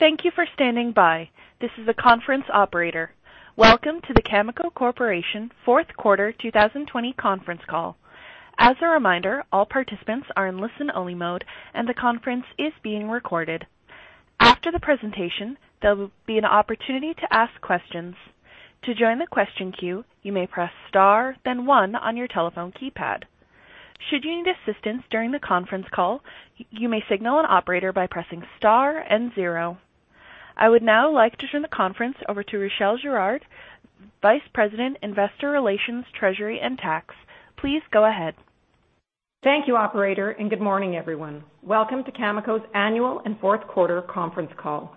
Thank you for standing by. This is the conference operator. Welcome to the Cameco Corporation fourth quarter 2020 conference call. As a reminder, all participants are in listen-only mode, and the conference is being recorded. After the presentation, there will be an opportunity to ask questions. To join the question queue, you may press star then one on your telephone keypad. Should you need assistance during the conference call, you may signal an operator by pressing star and zero. I would now like to turn the conference over to Rachelle Girard, Vice President, Investor Relations, Treasury, and Tax. Please go ahead. Thank you, operator, and good morning, everyone. Welcome to Cameco's Annual and Fourth Quarter Conference Call.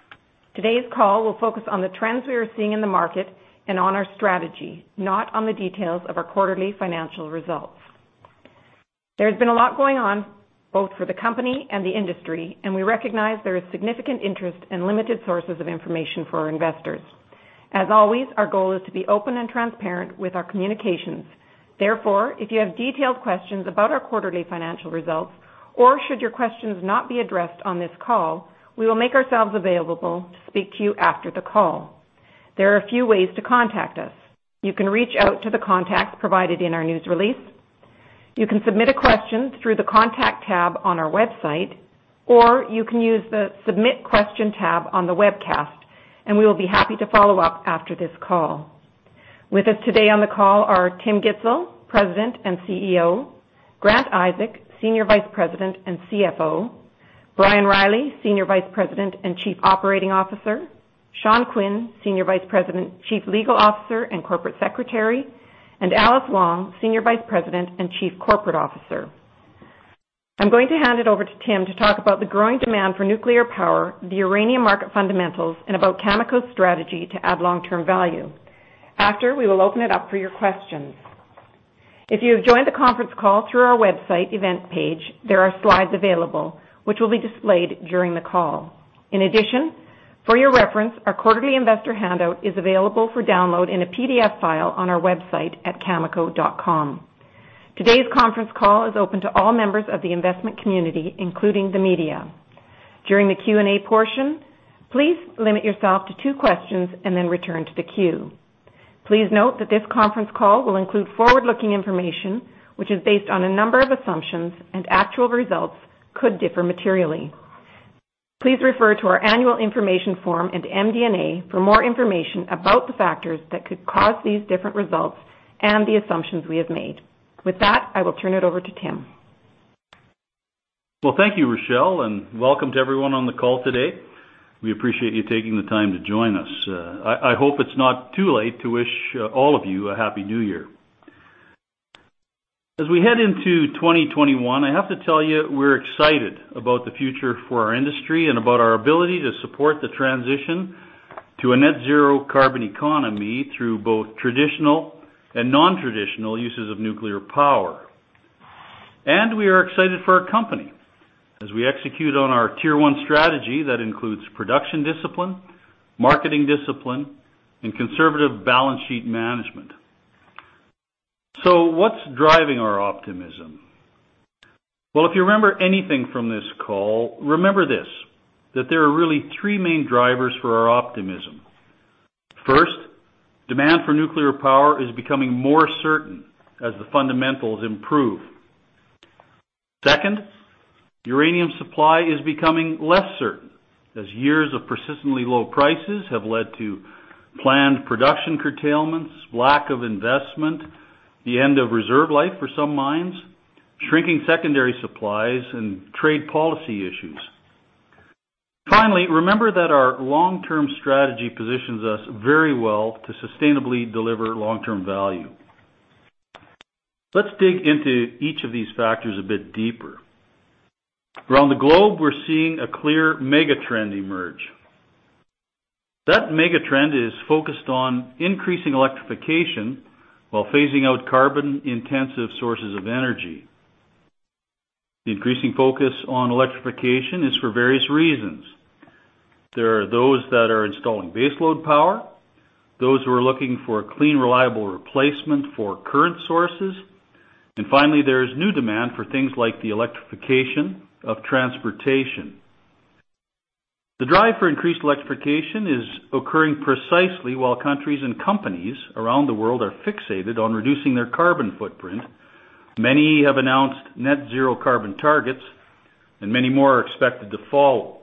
Today's call will focus on the trends we are seeing in the market and on our strategy, not on the details of our quarterly financial results. There has been a lot going on both for the company and the industry, and we recognize there is significant interest and limited sources of information for our investors. As always, our goal is to be open and transparent with our communications. Therefore, if you have detailed questions about our quarterly financial results or should your questions not be addressed on this call, we will make ourselves available to speak to you after the call. There are a few ways to contact us. You can reach out to the contacts provided in our news release. You can submit a question through the Contact tab on our website, or you can use the Submit Question tab on the webcast, and we will be happy to follow up after this call. With us today on the call are Tim Gitzel, President and CEO, Grant Isaac, Senior Vice President and CFO, Brian Reilly, Senior Vice President and Chief Operating Officer, Sean Quinn, Senior Vice President, Chief Legal Officer, and Corporate Secretary, and Alice Wong, Senior Vice President and Chief Corporate Officer. I'm going to hand it over to Tim to talk about the growing demand for nuclear power, the uranium market fundamentals, and about Cameco's strategy to add long-term value. After, we will open it up for your questions. If you have joined the conference call through our website event page, there are slides available which will be displayed during the call. In addition, for your reference, our quarterly investor handout is available for download in a PDF file on our website at cameco.com. Today's conference call is open to all members of the investment community, including the media. During the Q&A portion, please limit yourself to two questions and then return to the queue. Please note that this conference call will include forward-looking information, which is based on a number of assumptions, and actual results could differ materially. Please refer to our annual information form and MD&A for more information about the factors that could cause these different results and the assumptions we have made. With that, I will turn it over to Tim. Thank you, Rachelle, welcome to everyone on the call today. We appreciate you taking the time to join us. I hope it's not too late to wish all of you a happy New Year. As we head into 2021, I have to tell you, we're excited about the future for our industry and about our ability to support the transition to a net zero carbon economy through both traditional and non-traditional uses of nuclear power. We are excited for our company as we execute on our Tier 1 strategy that includes production discipline, marketing discipline, and conservative balance sheet management. What's driving our optimism? If you remember anything from this call, remember this, that there are really three main drivers for our optimism. First, demand for nuclear power is becoming more certain as the fundamentals improve. Second, uranium supply is becoming less certain as years of persistently low prices have led to planned production curtailments, lack of investment, the end of reserve life for some mines, shrinking secondary supplies, and trade policy issues. Finally, remember that our long-term strategy positions us very well to sustainably deliver long-term value. Let's dig into each of these factors a bit deeper. Around the globe, we're seeing a clear mega-trend emerge. That mega-trend is focused on increasing electrification while phasing out carbon-intensive sources of energy. The increasing focus on electrification is for various reasons. There are those that are installing baseload power, those who are looking for a clean, reliable replacement for current sources, and finally, there is new demand for things like the electrification of transportation. The drive for increased electrification is occurring precisely while countries and companies around the world are fixated on reducing their carbon footprint. Many have announced net zero carbon targets, many more are expected to follow.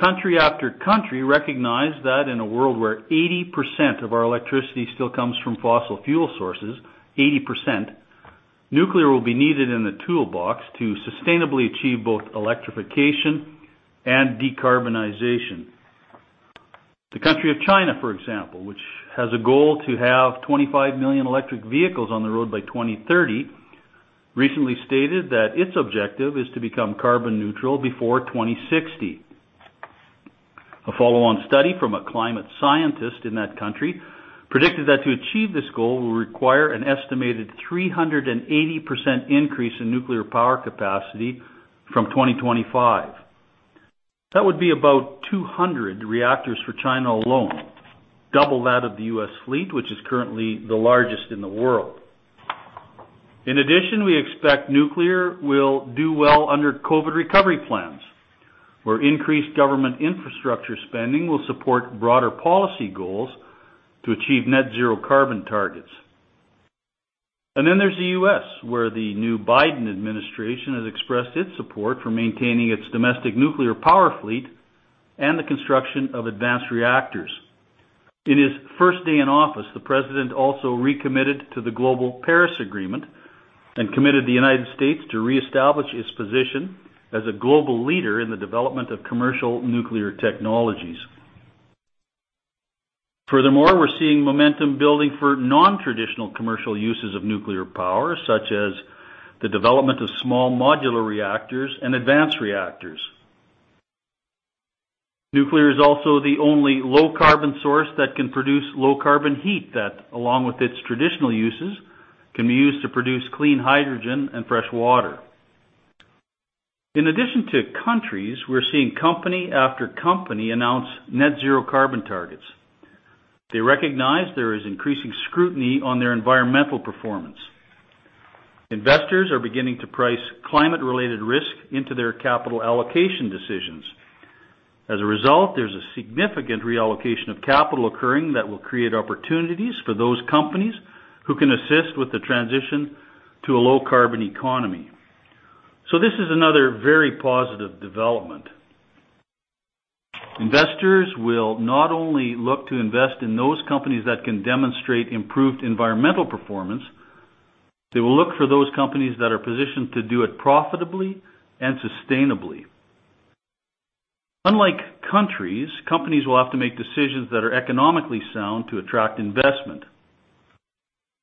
Country after country recognize that in a world where 80% of our electricity still comes from fossil fuel sources, 80%, nuclear will be needed in the toolbox to sustainably achieve both electrification and decarbonization. The country of China, for example, which has a goal to have 25 million electric vehicles on the road by 2030, recently stated that its objective is to become carbon neutral before 2060. A follow-on study from a climate scientist in that country predicted that to achieve this goal will require an estimated 380% increase in nuclear power capacity from 2025. That would be about 200 reactors for China alone, double that of the U.S. fleet, which is currently the largest in the world. We expect nuclear will do well under COVID recovery plans, where increased government infrastructure spending will support broader policy goals to achieve net zero carbon targets. There's the U.S., where the new Biden administration has expressed its support for maintaining its domestic nuclear power fleet and the construction of advanced reactors. In his first day in office, the president also recommitted to the global Paris Agreement and committed the United States to reestablish its position as a global leader in the development of commercial nuclear technologies. We're seeing momentum building for non-traditional commercial uses of nuclear power, such as the development of small modular reactors and advanced reactors. Nuclear is also the only low-carbon source that can produce low-carbon heat that, along with its traditional uses, can be used to produce clean hydrogen and fresh water. In addition to countries, we're seeing company after company announce net zero carbon targets. They recognize there is increasing scrutiny on their environmental performance. Investors are beginning to price climate-related risk into their capital allocation decisions. As a result, there's a significant reallocation of capital occurring that will create opportunities for those companies who can assist with the transition to a low-carbon economy. This is another very positive development. Investors will not only look to invest in those companies that can demonstrate improved environmental performance, they will look for those companies that are positioned to do it profitably and sustainably. Unlike countries, companies will have to make decisions that are economically sound to attract investment.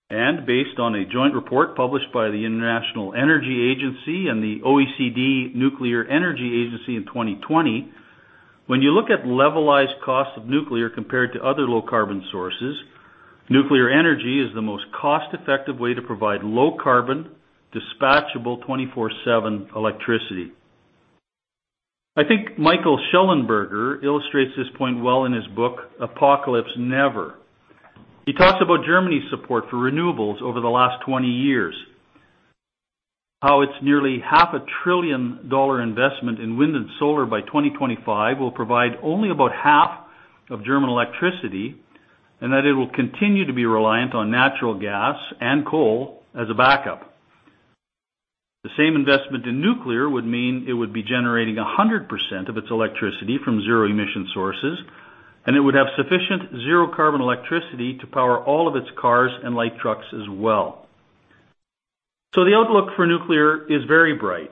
Based on a joint report published by the International Energy Agency and the OECD Nuclear Energy Agency in 2020, when you look at levelized cost of nuclear compared to other low-carbon sources, nuclear energy is the most cost-effective way to provide low-carbon, dispatchable 24/7 electricity. I think Michael Shellenberger illustrates this point well in his book, "Apocalypse Never." He talks about Germany's support for renewables over the last 20 years, how its nearly half a trillion dollar investment in wind and solar by 2025 will provide only about half of German electricity, and that it will continue to be reliant on natural gas and coal as a backup. The same investment in nuclear would mean it would be generating 100% of its electricity from zero emission sources, and it would have sufficient zero carbon electricity to power all of its cars and light trucks as well. The outlook for nuclear is very bright.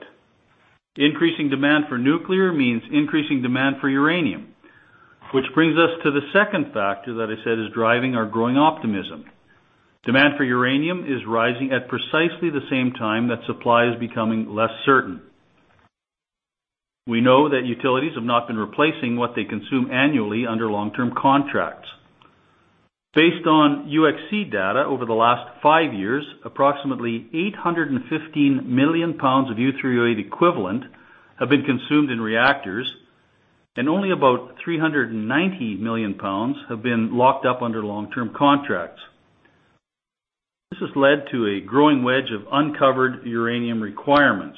Increasing demand for nuclear means increasing demand for uranium, which brings us to the second factor that I said is driving our growing optimism. Demand for uranium is rising at precisely the same time that supply is becoming less certain. We know that utilities have not been replacing what they consume annually under long-term contracts. Based on UxC data over the last five years, approximately 815 million pounds of U3O8 equivalent have been consumed in reactors, and only about 390 million pounds have been locked up under long-term contracts. This has led to a growing wedge of uncovered uranium requirements.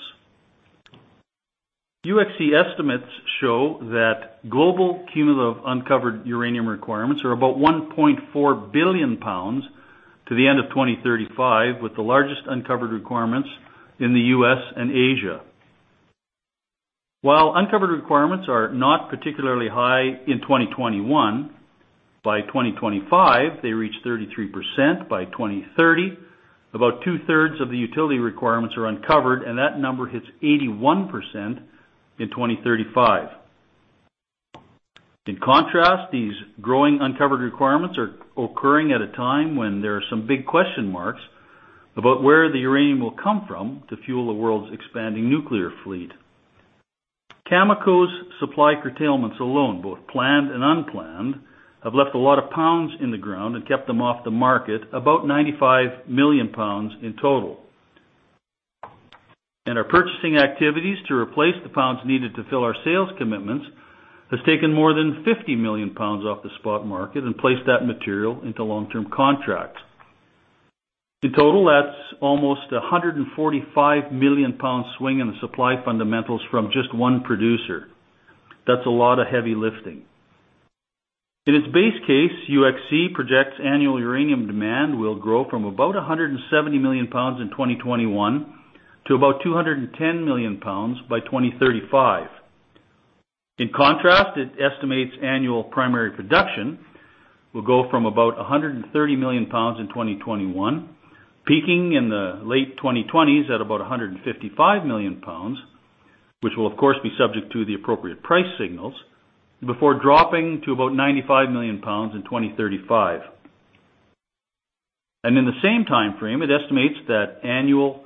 UxC estimates show that global cumulative uncovered uranium requirements are about 1.4 billion pounds to the end of 2035, with the largest uncovered requirements in the U.S. and Asia. While uncovered requirements are not particularly high in 2021, by 2025, they reach 33%, by 2030, about two-thirds of the utility requirements are uncovered, and that number hits 81% in 2035. These growing uncovered requirements are occurring at a time when there are some big question marks about where the uranium will come from to fuel the world's expanding nuclear fleet. Cameco's supply curtailments alone, both planned and unplanned, have left a lot of pounds in the ground and kept them off the market, about 95 million pounds in total. Our purchasing activities to replace the pounds needed to fill our sales commitments has taken more than 50 million pounds off the spot market and placed that material into long-term contracts. In total, that's almost 145 million pound swing in the supply fundamentals from just one producer. That's a lot of heavy lifting. In its base case, UxC projects annual uranium demand will grow from about 170 million pounds in 2021 to about 210 million pounds by 2035. In contrast, it estimates annual primary production will go from about 130 million pounds in 2021, peaking in the late 2020s at about 155 million pounds, which will of course be subject to the appropriate price signals, before dropping to about 95 million pounds in 2035. In the same timeframe, it estimates that annual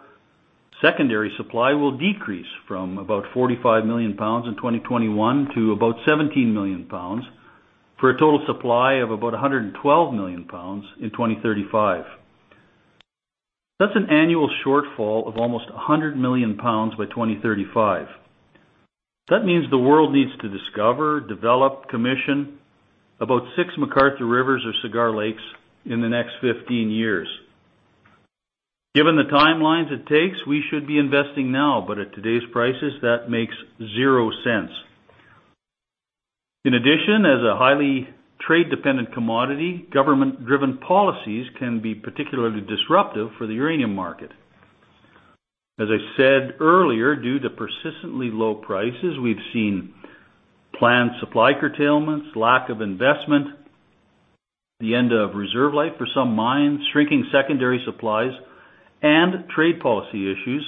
secondary supply will decrease from about 45 million pounds in 2021 to about 17 million pounds, for a total supply of about 112 million pounds in 2035. That's an annual shortfall of almost 100 million pounds by 2035. That means the world needs to discover, develop, commission about six McArthur River or Cigar Lake in the next 15 years. Given the timelines it takes, we should be investing now, but at today's prices, that makes zero sense. In addition, as a highly trade-dependent commodity, government-driven policies can be particularly disruptive for the uranium market. As I said earlier, due to persistently low prices, we've seen planned supply curtailments, lack of investment, the end of reserve life for some mines, shrinking secondary supplies, and trade policy issues,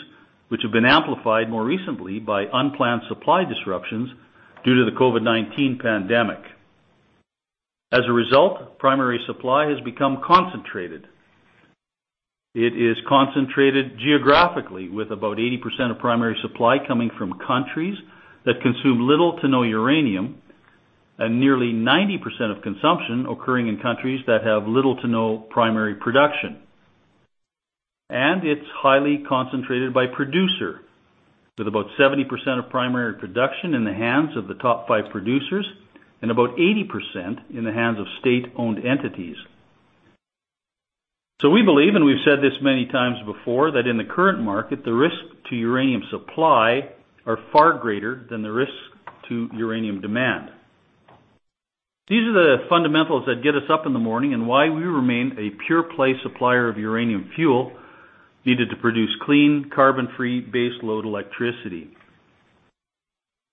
which have been amplified more recently by unplanned supply disruptions due to the COVID-19 pandemic. As a result, primary supply has become concentrated. It is concentrated geographically with about 80% of primary supply coming from countries that consume little to no uranium, and nearly 90% of consumption occurring in countries that have little to no primary production. It's highly concentrated by producer, with about 70% of primary production in the hands of the top five producers and about 80% in the hands of state-owned entities. We believe, and we've said this many times before, that in the current market, the risks to uranium supply are far greater than the risks to uranium demand. These are the fundamentals that get us up in the morning and why we remain a pure play supplier of uranium fuel needed to produce clean carbon-free base load electricity.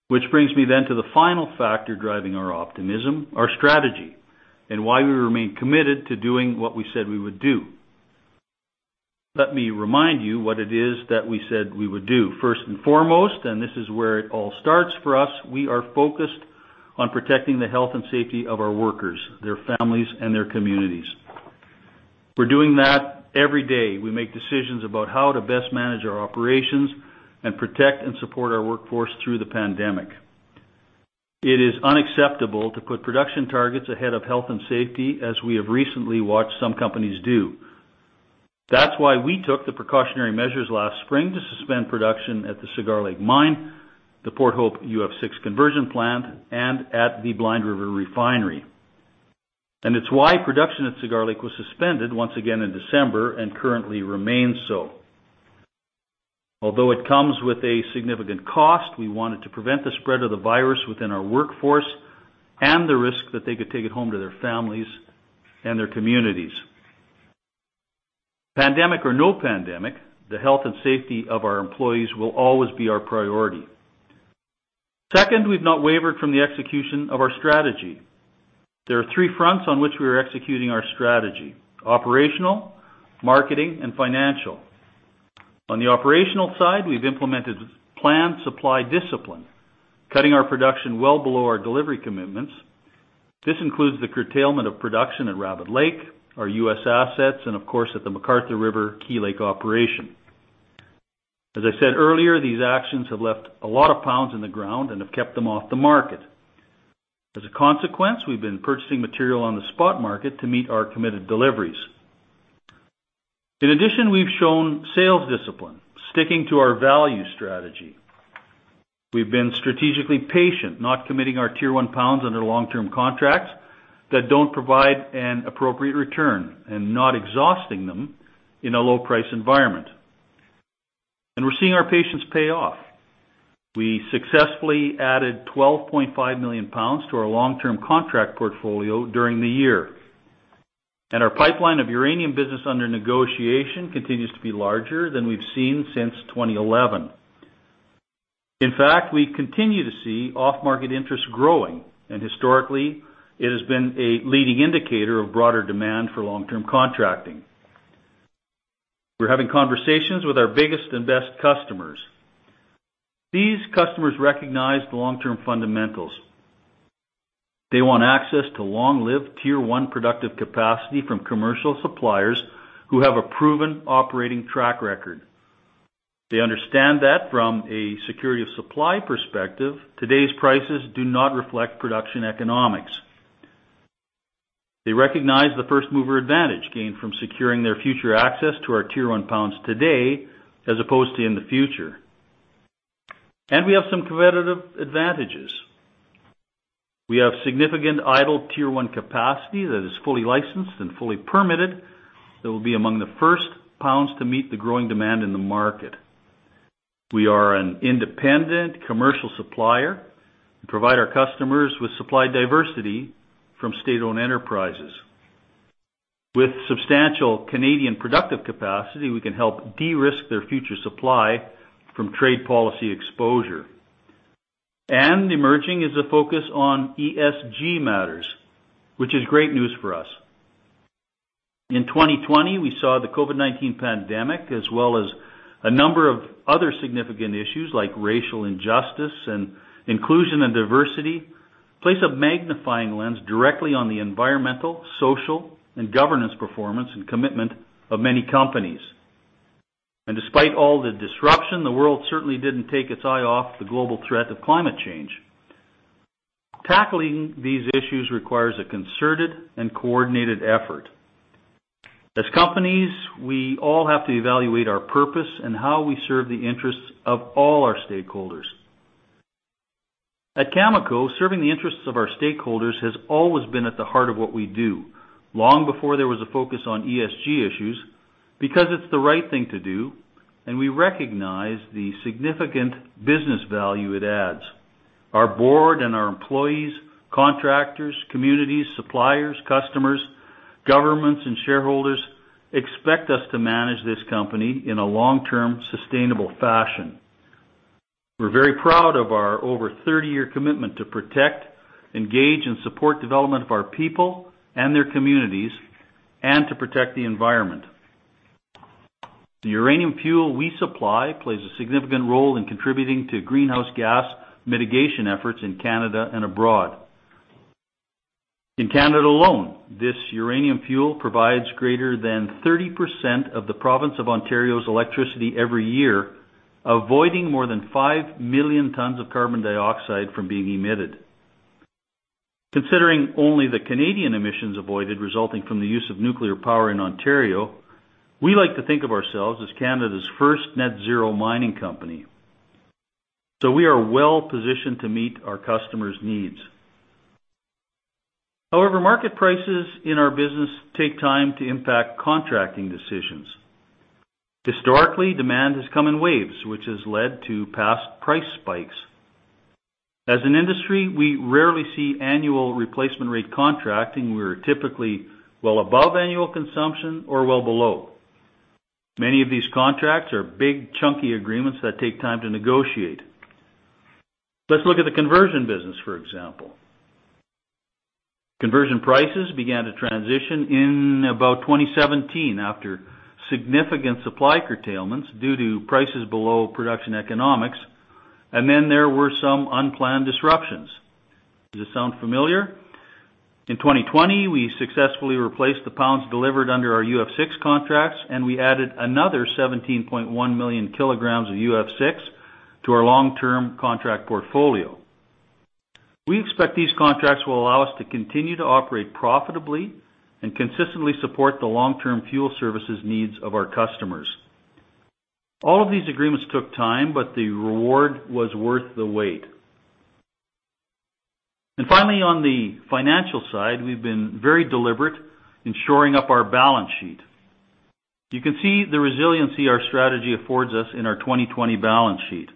Which brings me to the final factor driving our optimism, our strategy, and why we remain committed to doing what we said we would do. Let me remind you what it is that we said we would do. First and foremost, and this is where it all starts for us, we are focused on protecting the health and safety of our workers, their families, and their communities. We're doing that every day. We make decisions about how to best manage our operations and protect and support our workforce through the pandemic. It is unacceptable to put production targets ahead of health and safety, as we have recently watched some companies do. That's why we took the precautionary measures last spring to suspend production at the Cigar Lake mine, the Port Hope UF6 conversion plant, and at the Blind River refinery. It's why production at Cigar Lake was suspended once again in December and currently remains so. Although it comes with a significant cost, we wanted to prevent the spread of the virus within our workforce and the risk that they could take it home to their families and their communities. Pandemic or no pandemic, the health and safety of our employees will always be our priority. Second, we've not wavered from the execution of our strategy. There are three fronts on which we are executing our strategy: operational, marketing, and financial. On the operational side, we've implemented planned supply discipline, cutting our production well below our delivery commitments. This includes the curtailment of production at Rabbit Lake, our U.S. assets, and of course, at the MacArthur River/Key Lake operation. As I said earlier, these actions have left a lot of pounds in the ground and have kept them off the market. We've been purchasing material on the spot market to meet our committed deliveries. We've shown sales discipline, sticking to our value strategy. We've been strategically patient, not committing our Tier 1 pounds under long-term contracts that don't provide an appropriate return and not exhausting them in a low-price environment. We're seeing our patience pay off. We successfully added 12.5 million pounds to our long-term contract portfolio during the year, and our pipeline of uranium business under negotiation continues to be larger than we've seen since 2011. In fact, we continue to see off-market interest growing, and historically, it has been a leading indicator of broader demand for long-term contracting. We're having conversations with our biggest and best customers. These customers recognize the long-term fundamentals. They want access to long-lived Tier 1 productive capacity from commercial suppliers who have a proven operating track record. They understand that from a security of supply perspective, today's prices do not reflect production economics. They recognize the first-mover advantage gained from securing their future access to our tier 1 pounds today as opposed to in the future. We have some competitive advantages. We have significant idle Tier 1 capacity that is fully licensed and fully permitted that will be among the first pounds to meet the growing demand in the market. We are an independent commercial supplier and provide our customers with supply diversity from state-owned enterprises. With substantial Canadian productive capacity, we can help de-risk their future supply from trade policy exposure. Emerging is a focus on ESG matters, which is great news for us. In 2020, we saw the COVID-19 pandemic, as well as a number of other significant issues like racial injustice and inclusion and diversity, place a magnifying lens directly on the environmental, social, and governance performance and commitment of many companies. Despite all the disruption, the world certainly didn't take its eye off the global threat of climate change. Tackling these issues requires a concerted and coordinated effort. As companies, we all have to evaluate our purpose and how we serve the interests of all our stakeholders. At Cameco, serving the interests of our stakeholders has always been at the heart of what we do, long before there was a focus on ESG issues, because it's the right thing to do, and we recognize the significant business value it adds. Our board and our employees, contractors, communities, suppliers, customers, governments, and shareholders expect us to manage this company in a long-term, sustainable fashion. We're very proud of our over 30-year commitment to protect, engage, and support development of our people and their communities, and to protect the environment. The uranium fuel we supply plays a significant role in contributing to greenhouse gas mitigation efforts in Canada and abroad. In Canada alone, this uranium fuel provides greater than 30% of the province of Ontario's electricity every year, avoiding more than 5 million tons of carbon dioxide from being emitted. Considering only the Canadian emissions avoided resulting from the use of nuclear power in Ontario, we like to think of ourselves as Canada's first net zero mining company. We are well positioned to meet our customers' needs. However, market prices in our business take time to impact contracting decisions. Historically, demand has come in waves, which has led to past price spikes. As an industry, we rarely see annual replacement rate contracting. We're typically well above annual consumption or well below. Many of these contracts are big, chunky agreements that take time to negotiate. Let's look at the conversion business, for example. Conversion prices began to transition in about 2017 after significant supply curtailments due to prices below production economics, and then there were some unplanned disruptions. Does this sound familiar? In 2020, we successfully replaced the pounds delivered under our UF6 contracts, and we added another 17.1 million kilograms of UF6 to our long-term contract portfolio. We expect these contracts will allow us to continue to operate profitably and consistently support the long-term fuel services needs of our customers. All of these agreements took time, but the reward was worth the wait. Finally, on the financial side, we've been very deliberate in shoring up our balance sheet. You can see the resiliency our strategy affords us in our 2020 balance sheet.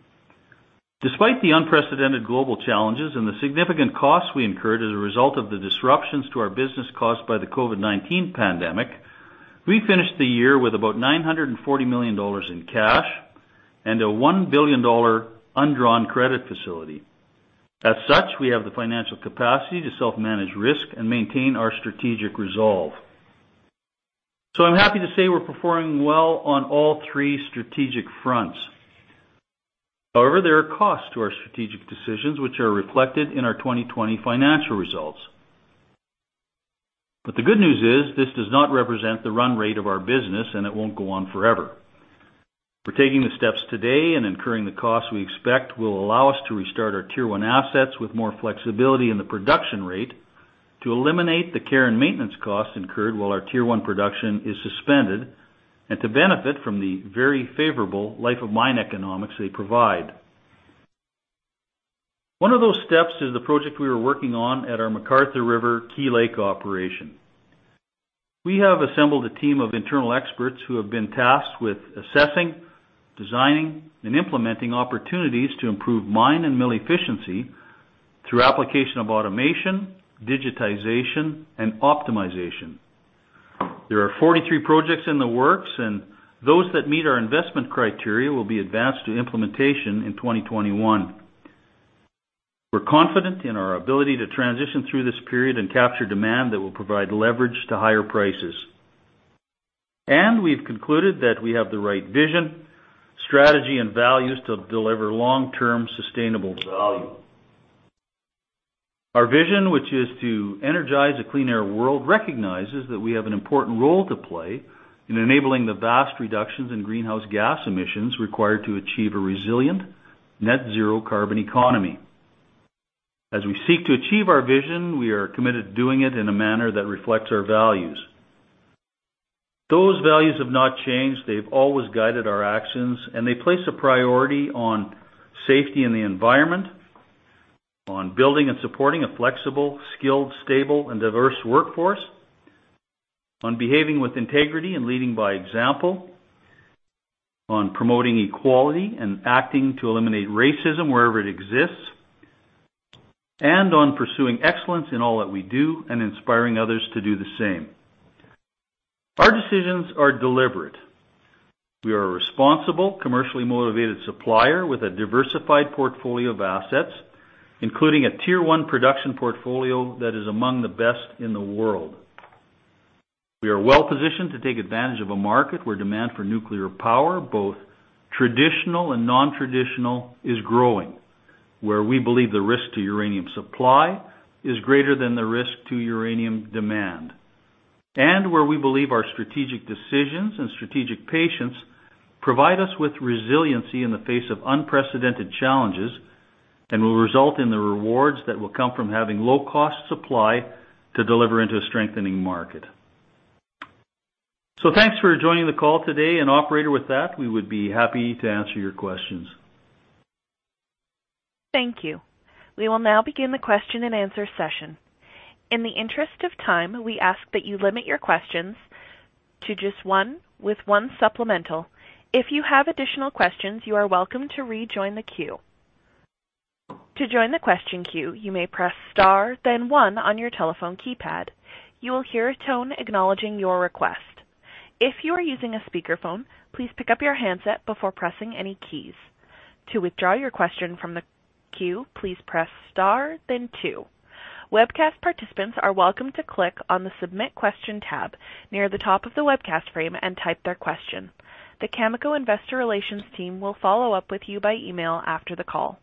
Despite the unprecedented global challenges and the significant costs we incurred as a result of the disruptions to our business caused by the COVID-19 pandemic, we finished the year with about 940 million dollars in cash and a 1 billion dollar undrawn credit facility. As such, we have the financial capacity to self-manage risk and maintain our strategic resolve. I'm happy to say we're performing well on all three strategic fronts. However, there are costs to our strategic decisions, which are reflected in our 2020 financial results. The good news is, this does not represent the run rate of our business, and it won't go on forever. We're taking the steps today and incurring the costs we expect will allow us to restart our Tier 1 assets with more flexibility in the production rate to eliminate the care and maintenance costs incurred while our Tier 1 production is suspended and to benefit from the very favorable life of mine economics they provide. One of those steps is the project we are working on at our McArthur River/Key Lake operation. We have assembled a team of internal experts who have been tasked with assessing, designing, and implementing opportunities to improve mine and mill efficiency through application of automation, digitization, and optimization. There are 43 projects in the works, those that meet our investment criteria will be advanced to implementation in 2021. We're confident in our ability to transition through this period and capture demand that will provide leverage to higher prices. We've concluded that we have the right vision, strategy, and values to deliver long-term sustainable value. Our vision, which is to energize a clean air world, recognizes that we have an important role to play in enabling the vast reductions in greenhouse gas emissions required to achieve a resilient net-zero carbon economy. As we seek to achieve our vision, we are committed to doing it in a manner that reflects our values. Those values have not changed. They've always guided our actions, and they place a priority on safety and the environment, on building and supporting a flexible, skilled, stable, and diverse workforce, on behaving with integrity and leading by example, on promoting equality and acting to eliminate racism wherever it exists, and on pursuing excellence in all that we do and inspiring others to do the same. Our decisions are deliberate. We are a responsible, commercially motivated supplier with a diversified portfolio of assets, including a Tier 1 production portfolio that is among the best in the world. We are well positioned to take advantage of a market where demand for nuclear power, both traditional and non-traditional, is growing, where we believe the risk to uranium supply is greater than the risk to uranium demand. Where we believe our strategic decisions and strategic patience provide us with resiliency in the face of unprecedented challenges, and will result in the rewards that will come from having low-cost supply to deliver into a strengthening market. Thanks for joining the call today, and operator, with that, we would be happy to answer your questions. Thank you. We will now begin the question and answer session. In the interest of time, we ask that you limit your questions to just one with one supplemental. If you have additional questions, you are welcome to rejoin the queue. To join the question queue, you may press star then one on your telephone keypad. You will hear a tone acknowledging your request. If you are using a speakerphone, please pick up your handset before pressing any keys. To withdraw your question from the queue, please press star then two. Webcast participants are welcome to click on the submit question tab near the top of the webcast frame and type their question. The Cameco investor relations team will follow up with you by email after the call.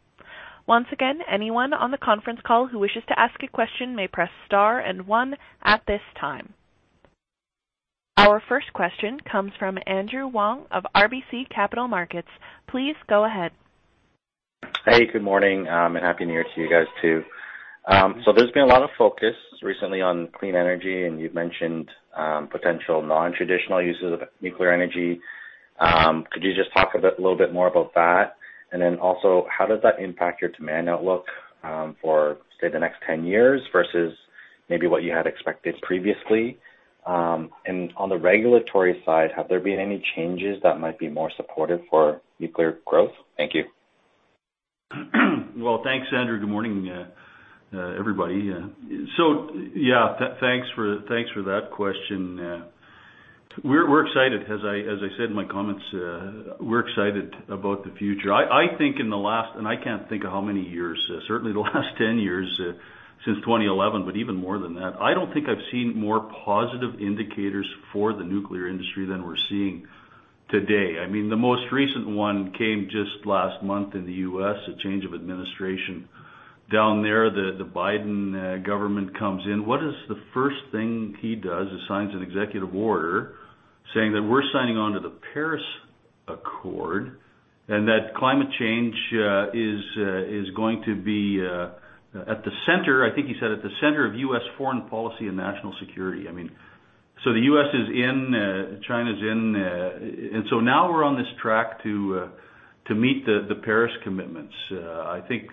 Once again, anyone on the conference call who wishes to ask a question may press star and one at this time. Our first question comes from Andrew Wong of RBC Capital Markets. Please go ahead. Good morning, and Happy New Year to you guys too. There's been a lot of focus recently on clean energy, and you've mentioned potential non-traditional uses of nuclear energy. Could you just talk a little bit more about that? Also, how does that impact your demand outlook for, say, the next 10 years versus maybe what you had expected previously? On the regulatory side, have there been any changes that might be more supportive for nuclear growth? Thank you. Thanks, Andrew. Good morning, everybody. Yeah, thanks for that question. We're excited, as I said in my comments, we're excited about the future. I think in the last, I can't think of how many years, certainly the last 10 years, since 2011, even more than that. I don't think I've seen more positive indicators for the nuclear industry than we're seeing today. I mean, the most recent one came just last month in the U.S., a change of administration down there. The Biden government comes in. What is the first thing he does? Assigns an executive order saying that we're signing on to the Paris Accord and that climate change is going to be at the center, I think he said, at the center of U.S. foreign policy and national security. The U.S. is in, China's in, and so now we're on this track to meet the Paris commitments. I think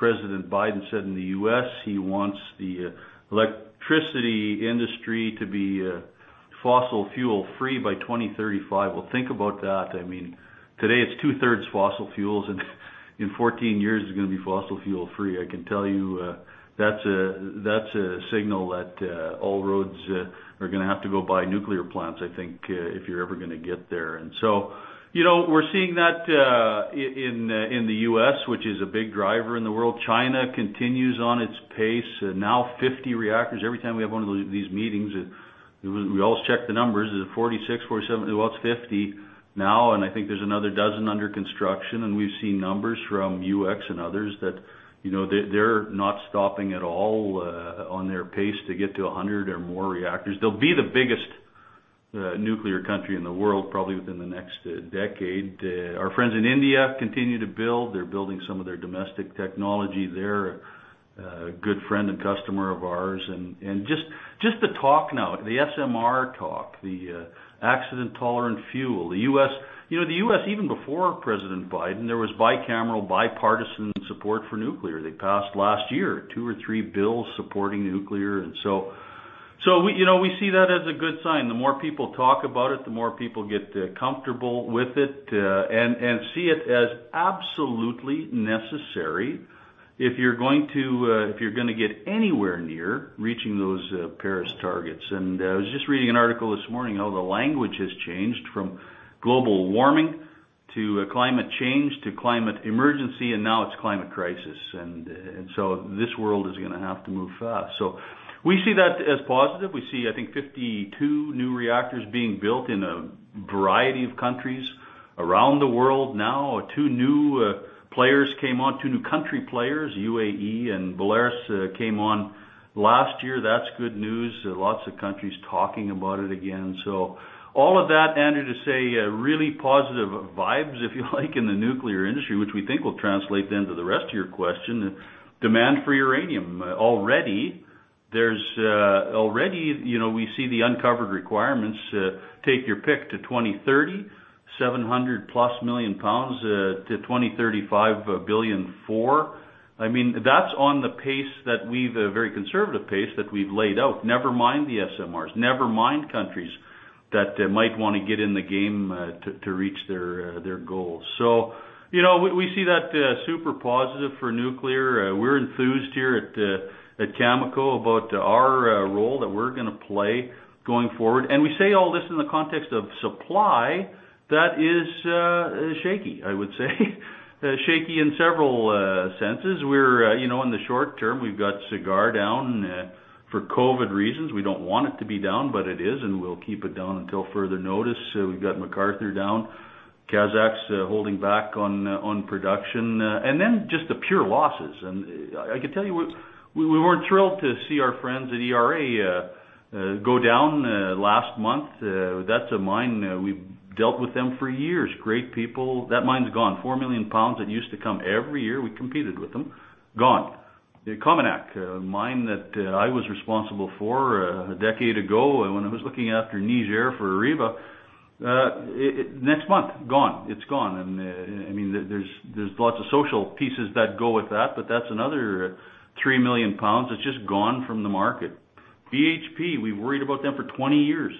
President Biden said in the U.S., he wants the electricity industry to be fossil fuel-free by 2035. Think about that. Today it's two-thirds fossil fuels, and in 14 years it's going to be fossil fuel-free. I can tell you that's a signal that all roads are going to have to go by nuclear plants, I think, if you're ever going to get there. We're seeing that in the U.S., which is a big driver in the world. China continues on its pace. 50 reactors. Every time we have one of these meetings, we always check the numbers. Is it 46, 47? Well, it's 50 now. I think there's another dozen under construction. We've seen numbers from UxC and others that they're not stopping at all on their pace to get to 100 or more reactors. They'll be the biggest nuclear country in the world, probably within the next decade. Our friends in India continue to build. They're building some of their domestic technology there. A good friend and customer of ours. Just the talk now, the SMR talk, the accident-tolerant fuel. The U.S., even before President Biden, there was bicameral bipartisan support for nuclear. They passed last year two or three bills supporting nuclear. We see that as a good sign. The more people talk about it, the more people get comfortable with it, and see it as absolutely necessary if you're going to get anywhere near reaching those Paris targets. I was just reading an article this morning, how the language has changed from global warming to climate change, to climate emergency, and now it's climate crisis. This world is going to have to move fast. We see that as positive. We see, I think 52 new reactors being built in a variety of countries around the world now. Two new players came on, two new country players, UAE and Belarus, came on last year. That's good news. Lots of countries talking about it again. All of that, Andrew, to say really positive vibes, if you like, in the nuclear industry, which we think will translate then to the rest of your question, demand for uranium. Already, we see the uncovered requirements, take your pick, to 2030, +700 million pounds, to 2035, 1.4 billion pounds. That's on the very conservative pace that we've laid out. Never mind the SMRs, never mind countries that might want to get in the game to reach their goals. We see that super positive for nuclear. We're enthused here at Cameco about our role that we're going to play going forward. We say all this in the context of supply that is shaky, I would say. Shaky in several senses. In the short term, we've got Cigar down for COVID reasons. We don't want it to be down, but it is, and we'll keep it down until further notice. We've got McArthur down. Kazakh's holding back on production. Then just the pure losses. I can tell you, we weren't thrilled to see our friends at ERA down last month, that's a mine, we've dealt with them for years. Great people. That mine's gone. 4 million pounds that used to come every year, we competed with them, gone. The COMINAK mine that I was responsible for a decade ago when I was looking after Niger for Areva, next month, gone. It's gone. There's lots of social pieces that go with that, but that's another three million pounds that's just gone from the market. BHP, we worried about them for 20 years,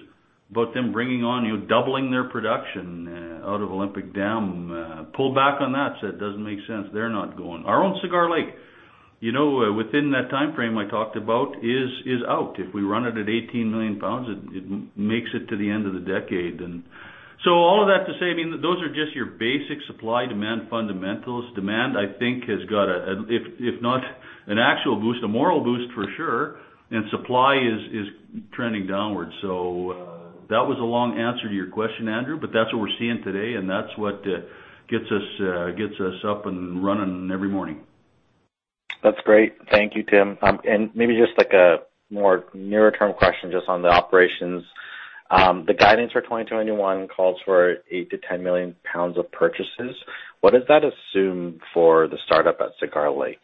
about them bringing on, doubling their production out of Olympic Dam. Pulled back on that, said it doesn't make sense. They're not going. Our own Cigar Lake. Within that timeframe I talked about, is out. If we run it at 18 million pounds, it makes it to the end of the decade. All of that to say, those are just your basic supply-demand fundamentals. Demand, I think, has got a, if not an actual boost, a moral boost for sure, and supply is trending downwards. That was a long answer to your question, Andrew, but that's what we're seeing today, and that's what gets us up and running every morning. That's great. Thank you, Tim. Maybe just a more nearer term question just on the operations. The guidance for 2021 calls for eight to 10 million pounds of purchases. What does that assume for the startup at Cigar Lake?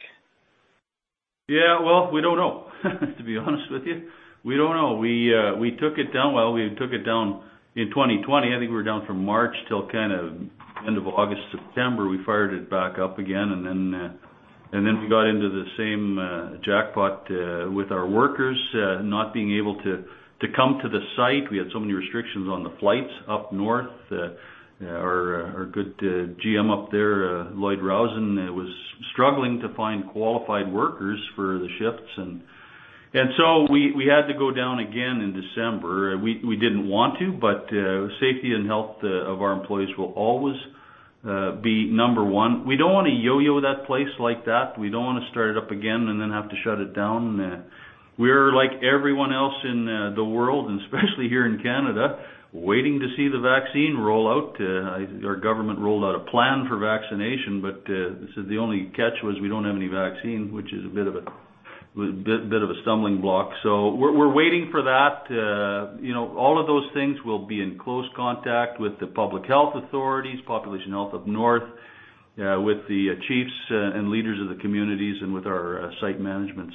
Yeah. Well, we don't know, to be honest with you. We don't know. We took it down. Well, we took it down in 2020. I think we were down from March till end of August. September, we fired it back up again, and then we got into the same jackpot with our workers not being able to come to the site. We had so many restrictions on the flights up north. Our good GM up there, Lloyd Rowson, was struggling to find qualified workers for the shifts. We had to go down again in December. We didn't want to, but safety and health of our employees will always be number one. We don't want to yo-yo that place like that. We don't want to start it up again and then have to shut it down. We're like everyone else in the world, and especially here in Canada, waiting to see the vaccine roll out. Our government rolled out a plan for vaccination, but the only catch was we don't have any vaccine, which is a bit of a stumbling block. We're waiting for that. All of those things will be in close contact with the public health authorities, Population Health up north, with the chiefs and leaders of the communities, and with our site management.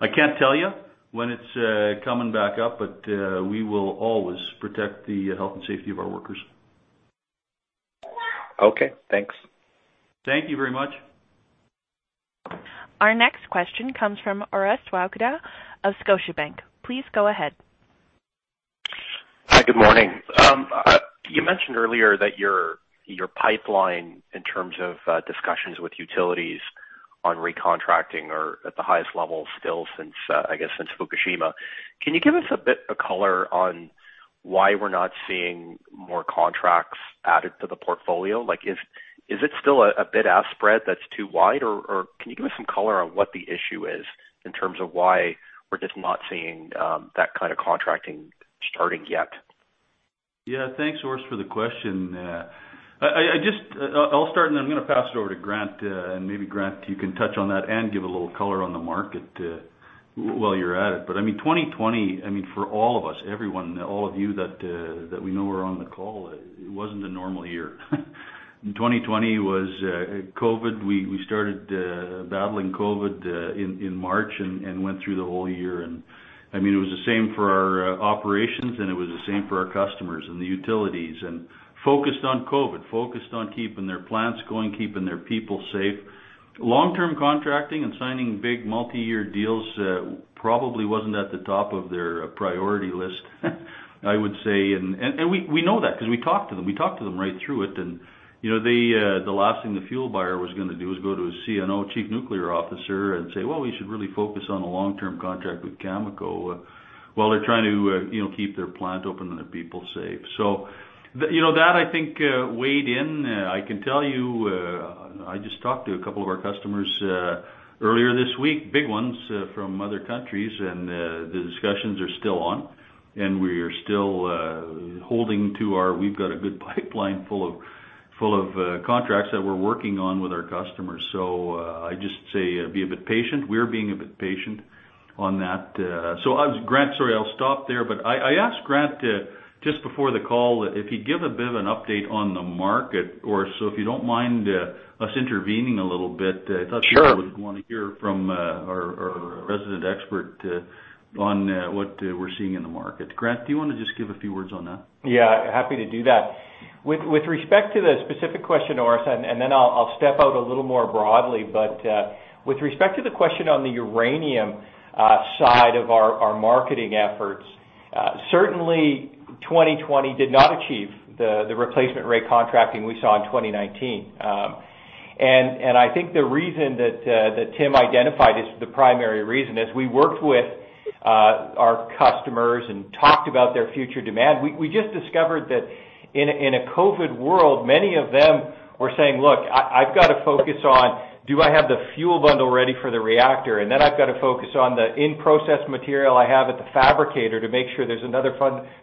I can't tell you when it's coming back up, but we will always protect the health and safety of our workers. Okay, thanks. Thank you very much. Our next question comes from Orest Wowkodaw of Scotiabank. Please go ahead. Hi, good morning. You mentioned earlier that your pipeline in terms of discussions with utilities on recontracting are at the highest level still since, I guess, since Fukushima. Can you give us a bit of color on why we're not seeing more contracts added to the portfolio? Is it still a bid-ask spread that's too wide, or can you give us some color on what the issue is in terms of why we're just not seeing that kind of contracting starting yet? Yeah. Thanks, Orest, for the question. I'll start and then I'm going to pass it over to Grant, and maybe Grant, you can touch on that and give a little color on the market while you're at it. 2020, for all of us, everyone, all of you that we know are on the call, it wasn't a normal year. In 2020 was COVID. We started battling COVID in March and went through the whole year. It was the same for our operations, and it was the same for our customers and the utilities, and focused on COVID, focused on keeping their plants going, keeping their people safe. Long-term contracting and signing big multi-year deals probably wasn't at the top of their priority list, I would say. We know that because we talked to them. We talked to them right through it. The last thing the fuel buyer was going to do is go to his CNO, chief nuclear officer, and say, "Well, we should really focus on a long-term contract with Cameco" while they're trying to keep their plant open and their people safe. That, I think, weighed in. I can tell you, I just talked to a couple of our customers earlier this week, big ones from other countries, and the discussions are still on, and we are still holding to our, we've got a good pipeline full of contracts that we're working on with our customers. I just say be a bit patient. We're being a bit patient on that. Grant, sorry, I'll stop there, but I asked Grant just before the call if he'd give a bit of an update on the market. Orest, if you don't mind us intervening a little bit. Sure. I thought people would want to hear from our resident expert on what we're seeing in the market. Grant, do you want to just give a few words on that? Yeah, happy to do that. With respect to the specific question, Orest, and then I'll step out a little more broadly, but with respect to the question on the uranium side of our marketing efforts, certainly 2020 did not achieve the replacement rate contracting we saw in 2019. I think the reason that Tim identified is the primary reason, as we worked with our customers and talked about their future demand, we just discovered that in a COVID world, many of them were saying, "Look, I've got to focus on do I have the fuel bundle ready for the reactor? Then I've got to focus on the in-process material I have at the fabricator to make sure there's another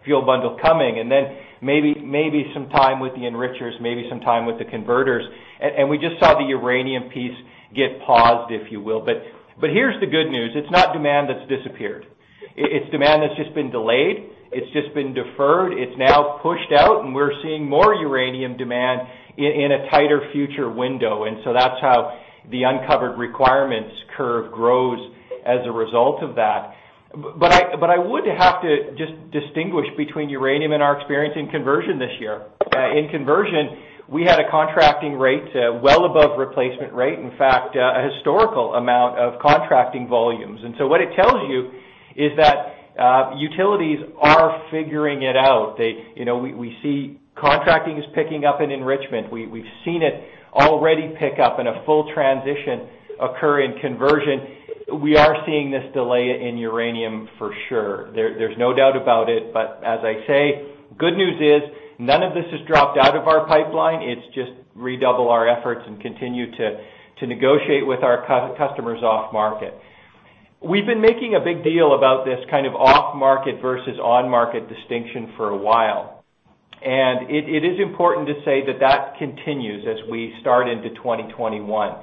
fuel bundle coming, then maybe some time with the enrichers, maybe some time with the converters." We just saw the uranium piece get paused, if you will. Here's the good news. It's not demand that's disappeared. It's demand that's just been delayed. It's just been deferred. It's now pushed out, and we're seeing more uranium demand in a tighter future window. That's how the uncovered requirements curve grows as a result of that. I would have to just distinguish between uranium and our experience in conversion this year. In conversion, we had a contracting rate well above replacement rate, in fact, a historical amount of contracting volumes. What it tells you is that utilities are figuring it out. We see contracting is picking up in enrichment. We've seen it already pick up and a full transition occur in conversion. We are seeing this delay in uranium for sure. There's no doubt about it, but as I say, good news is none of this has dropped out of our pipeline. It's just redouble our efforts and continue to negotiate with our customers off market. We've been making a big deal about this kind of off-market versus on-market distinction for a while. It is important to say that that continues as we start into 2021.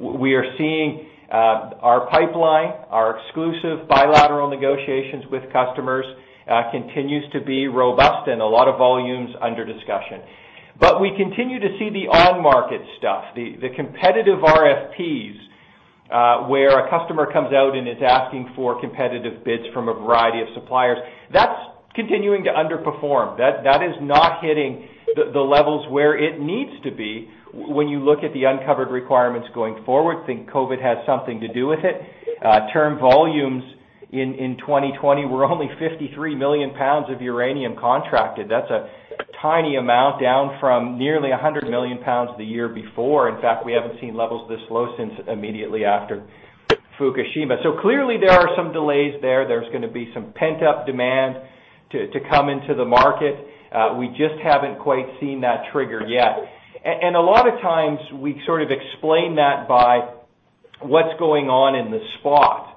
We are seeing our pipeline, our exclusive bilateral negotiations with customers continues to be robust and a lot of volumes under discussion. We continue to see the on-market stuff, the competitive RFPs where a customer comes out and is asking for competitive bids from a variety of suppliers. That's continuing to underperform. That is not hitting the levels where it needs to be when you look at the uncovered requirements going forward. I think COVID has something to do with it. Term volumes in 2020 were only 53 million pounds of uranium contracted. That's a tiny amount, down from nearly 100 million pounds the year before. In fact, we haven't seen levels this low since immediately after Fukushima. Clearly there are some delays there. There's going to be some pent-up demand to come into the market. We just haven't quite seen that trigger yet. A lot of times we sort of explain that by what's going on in the spot.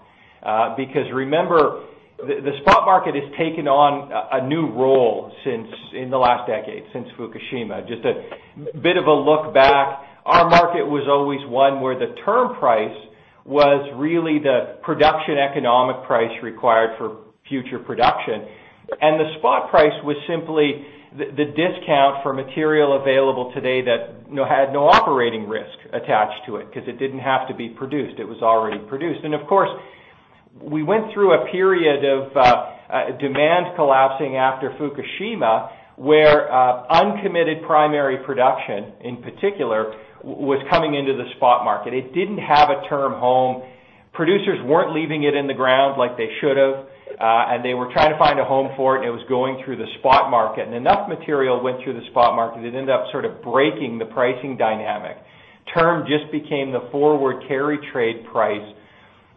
Remember, the spot market has taken on a new role since in the last decade, since Fukushima. Just a bit of a look back, our market was always one where the term price was really the production economic price required for future production. The spot price was simply the discount for material available today that had no operating risk attached to it because it didn't have to be produced. It was already produced. Of course, we went through a period of demand collapsing after Fukushima, where uncommitted primary production, in particular, was coming into the spot market. It didn't have a term home. Producers weren't leaving it in the ground like they should have. They were trying to find a home for it was going through the spot market, enough material went through the spot market. It ended up sort of breaking the pricing dynamic. Term just became the forward carry trade price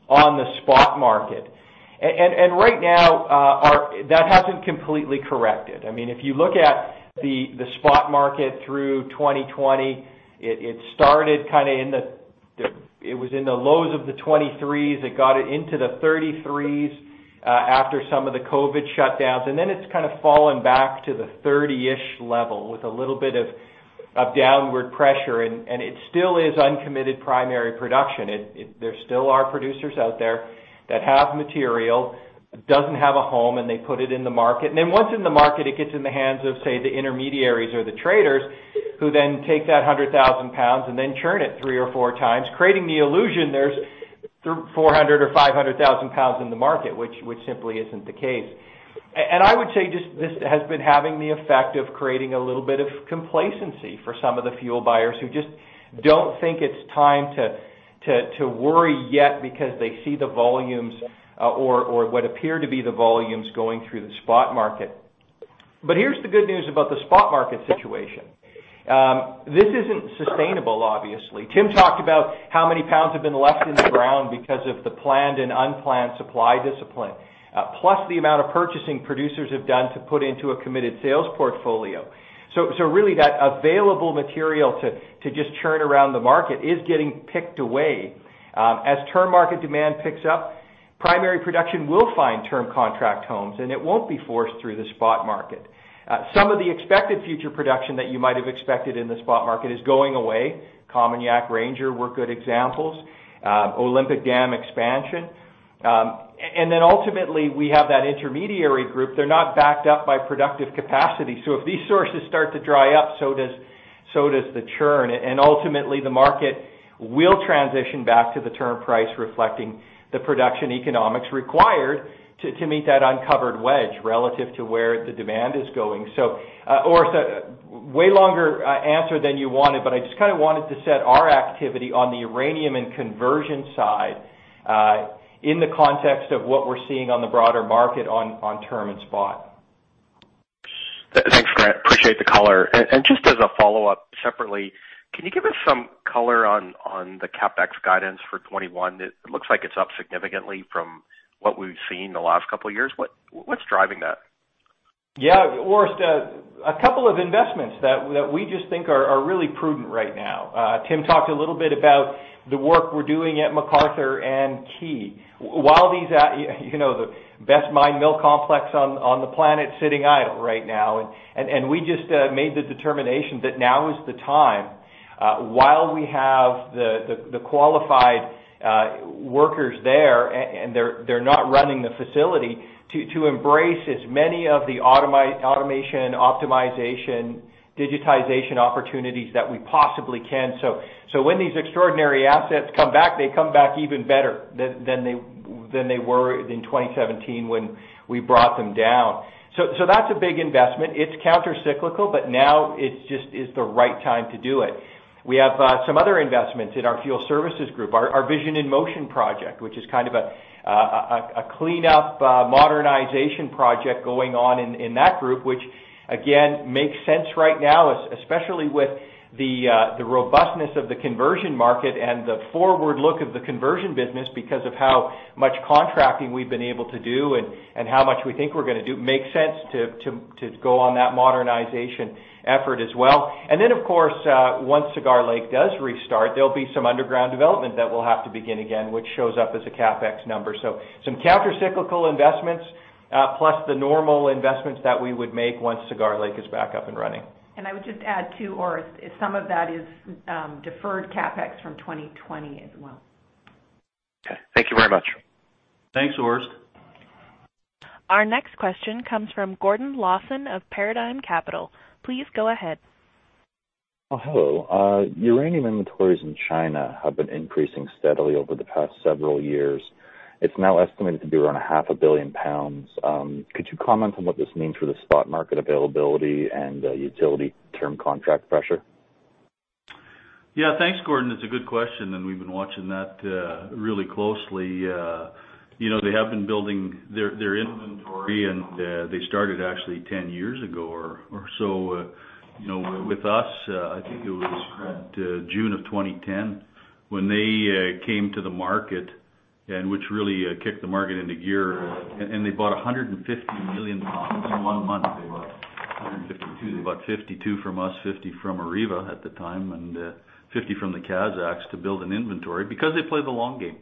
on the spot market. Right now, that hasn't completely corrected. If you look at the spot market through 2020, it was in the lows of the 23. It got into the 33 after some of the COVID shutdowns. Then it's kind of fallen back to the 30-ish level with a little bit of downward pressure, it still is uncommitted primary production. There still are producers out there that have material, doesn't have a home, and they put it in the market. Once in the market, it gets in the hands of, say, the intermediaries or the traders who then take that 100,000 pounds and then churn it 3x or 4x, creating the illusion there's 400,000 or 500,000 pounds in the market, which simply isn't the case. I would say this has been having the effect of creating a little bit of complacency for some of the fuel buyers who just don't think it's time to worry yet because they see the volumes or what appear to be the volumes going through the spot market. Here's the good news about the spot market situation. This isn't sustainable, obviously. Tim talked about how many pounds have been left in the ground because of the planned and unplanned supply discipline, plus the amount of purchasing producers have done to put into a committed sales portfolio. Really that available material to just churn around the market is getting picked away. As term market demand picks up, primary production will find term contract homes, and it won't be forced through the spot market. Some of the expected future production that you might have expected in the spot market is going away. COMINAK, Ranger were good examples. Olympic Dam expansion. Ultimately we have that intermediary group. They're not backed up by productive capacity. If these sources start to dry up, so does the churn, and ultimately the market will transition back to the term price reflecting the production economics required to meet that uncovered wedge relative to where the demand is going. Way longer answer than you wanted, but I just kind of wanted to set our activity on the uranium and conversion side in the context of what we're seeing on the broader market on term and spot. Thanks, Grant. Appreciate the color. Just as a follow-up separately, can you give us some color on the CapEx guidance for 2021? It looks like it's up significantly from what we've seen the last couple of years. What's driving that? Yeah, Orest. A couple of investments that we just think are really prudent right now. Tim talked a little bit about the work we're doing at McArthur and Key. The best mine mill complex on the planet sitting idle right now. We just made the determination that now is the time, while we have the qualified workers there, and they're not running the facility, to embrace as many of the automation, optimization, digitization opportunities that we possibly can. When these extraordinary assets come back, they come back even better than they were in 2017 when we brought them down. That's a big investment. It's countercyclical, but now it's just the right time to do it. We have some other investments in our fuel services group, our Vision in Motion project, which is kind of a cleanup, modernization project going on in that group, which again, makes sense right now, especially with the robustness of the conversion market and the forward look of the conversion business because of how much contracting we've been able to do and how much we think we're going to do, makes sense to go on that modernization effort as well. Of course, once Cigar Lake does restart, there'll be some underground development that will have to begin again, which shows up as a CapEx number. Some countercyclical investments, plus the normal investments that we would make once Cigar Lake is back up and running. I would just add too, Orest, some of that is deferred CapEx from 2020 as well. Okay. Thank you very much. Thanks, Orest. Our next question comes from Gordon Lawson of Paradigm Capital. Please go ahead. Hello. Uranium inventories in China have been increasing steadily over the past several years. It's now estimated to be around a half a billion pounds. Could you comment on what this means for the spot market availability and utility term contract pressure? Thanks, Gordon. That's a good question. We've been watching that really closely. They have been building their inventory. They started actually 10 years ago or so. With us, I think it was June of 2010 when they came to the market, which really kicked the market into gear, and they bought 150 million pounds in one month. They bought 152, about 52 from us, 50 from Areva at the time, and 50 from the Kazakhs to build an inventory because they play the long game.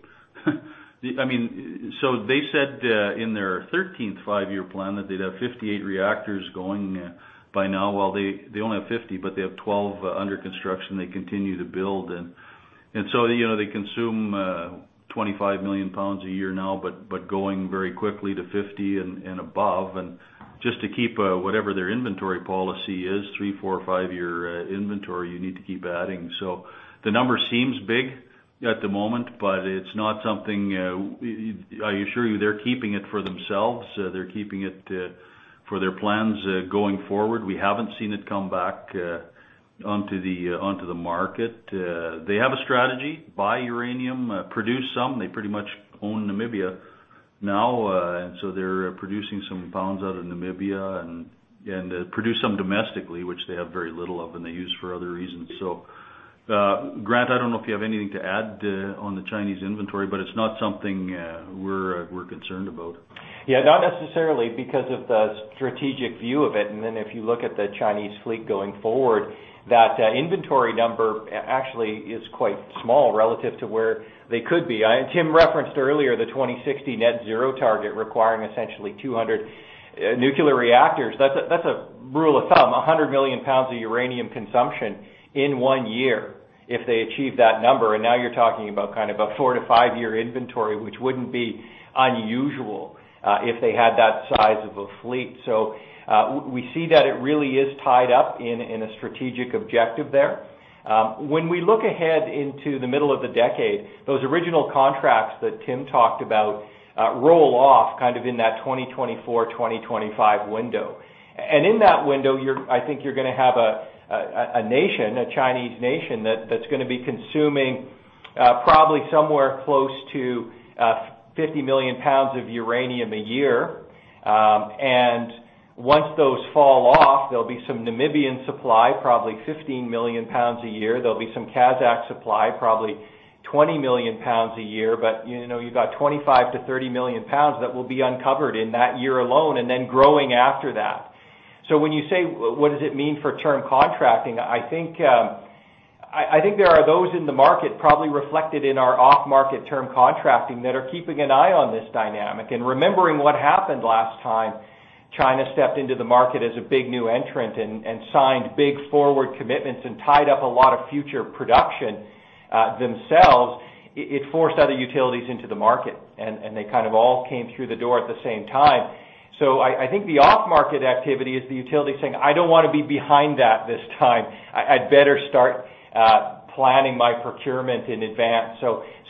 They said in their 13th five-year plan that they'd have 58 reactors going by now. Well, they only have 50, but they have 12 under construction. They continue to build. They consume 25 million pounds a year now, but going very quickly to 50 and above. Just to keep whatever their inventory policy is, three, four, five-year inventory you need to keep adding. The number seems big at the moment, but it's not something. I assure you, they're keeping it for themselves. They're keeping it for their plans going forward. We haven't seen it come back onto the market. They have a strategy, buy uranium, produce some. They pretty much own Namibia now. They're producing some pounds out of Namibia and produce some domestically, which they have very little of, and they use for other reasons. Grant, I don't know if you have anything to add on the Chinese inventory, but it's not something we're concerned about. Yeah. Not necessarily because of the strategic view of it, and then if you look at the Chinese fleet going forward, that inventory number actually is quite small relative to where they could be. Tim referenced earlier the 2060 net zero target requiring essentially 200 nuclear reactors. That's a rule of thumb, 100 million pounds of uranium consumption in one year if they achieve that number. Now you're talking about a four to five-year inventory, which wouldn't be unusual if they had that size of a fleet. We see that it really is tied up in a strategic objective there. When we look ahead into the middle of the decade, those original contracts that Tim talked about roll off in that 2024, 2025 window. In that window, I think you're going to have a nation, a Chinese nation that's going to be consuming probably somewhere close to 50 million pounds of uranium a year. Once those fall off, there'll be some Namibian supply, probably 15 million pounds a year. There'll be some Kazakh supply, probably 20 million pounds a year. You've got 25 million-30 million pounds that will be uncovered in that year alone, and then growing after that. When you say what does it mean for term contracting, I think there are those in the market probably reflected in our off-market term contracting that are keeping an eye on this dynamic. Remembering what happened last time China stepped into the market as a big new entrant and signed big forward commitments and tied up a lot of future production themselves, it forced other utilities into the market, and they all came through the door at the same time. I think the off-market activity is the utility saying, "I don't want to be behind that this time. I'd better start planning my procurement in advance."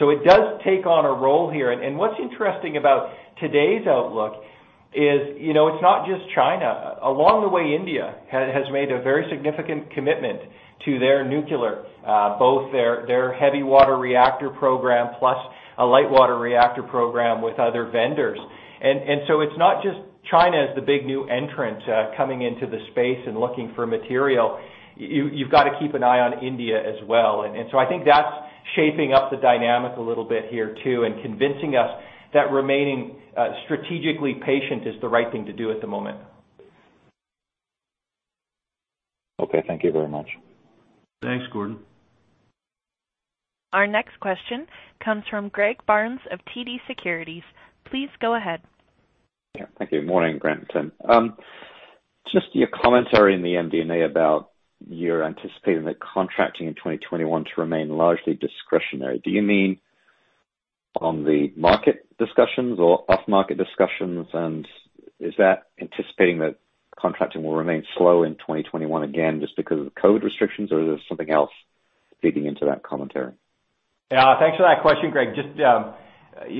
It does take on a role here. What's interesting about today's outlook is it's not just China. Along the way, India has made a very significant commitment to their nuclear, both their heavy water reactor program plus a light water reactor program with other vendors. It's not just China as the big new entrant coming into the space and looking for material. You've got to keep an eye on India as well. I think that's shaping up the dynamic a little bit here too, and convincing us that remaining strategically patient is the right thing to do at the moment. Okay, thank you very much. Thanks, Gordon. Our next question comes from Greg Barnes of TD Securities. Please go ahead. Yeah, thank you. Morning, Grant and Tim. Just your commentary in the MD&A about you're anticipating that contracting in 2021 to remain largely discretionary. Do you mean on the market discussions or off-market discussions? Is that anticipating that contracting will remain slow in 2021, again, just because of the COVID restrictions or is there something else feeding into that commentary? Yeah, thanks for that question, Greg.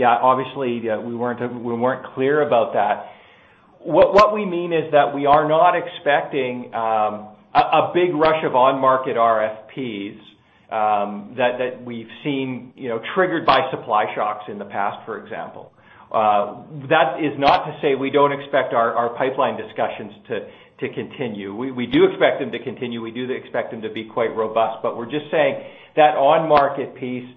Obviously, we weren't clear about that. What we mean is that we are not expecting a big rush of on-market RFPs that we've seen triggered by supply shocks in the past, for example. That is not to say we don't expect our pipeline discussions to continue. We do expect them to continue. We do expect them to be quite robust. We're just saying that on-market piece,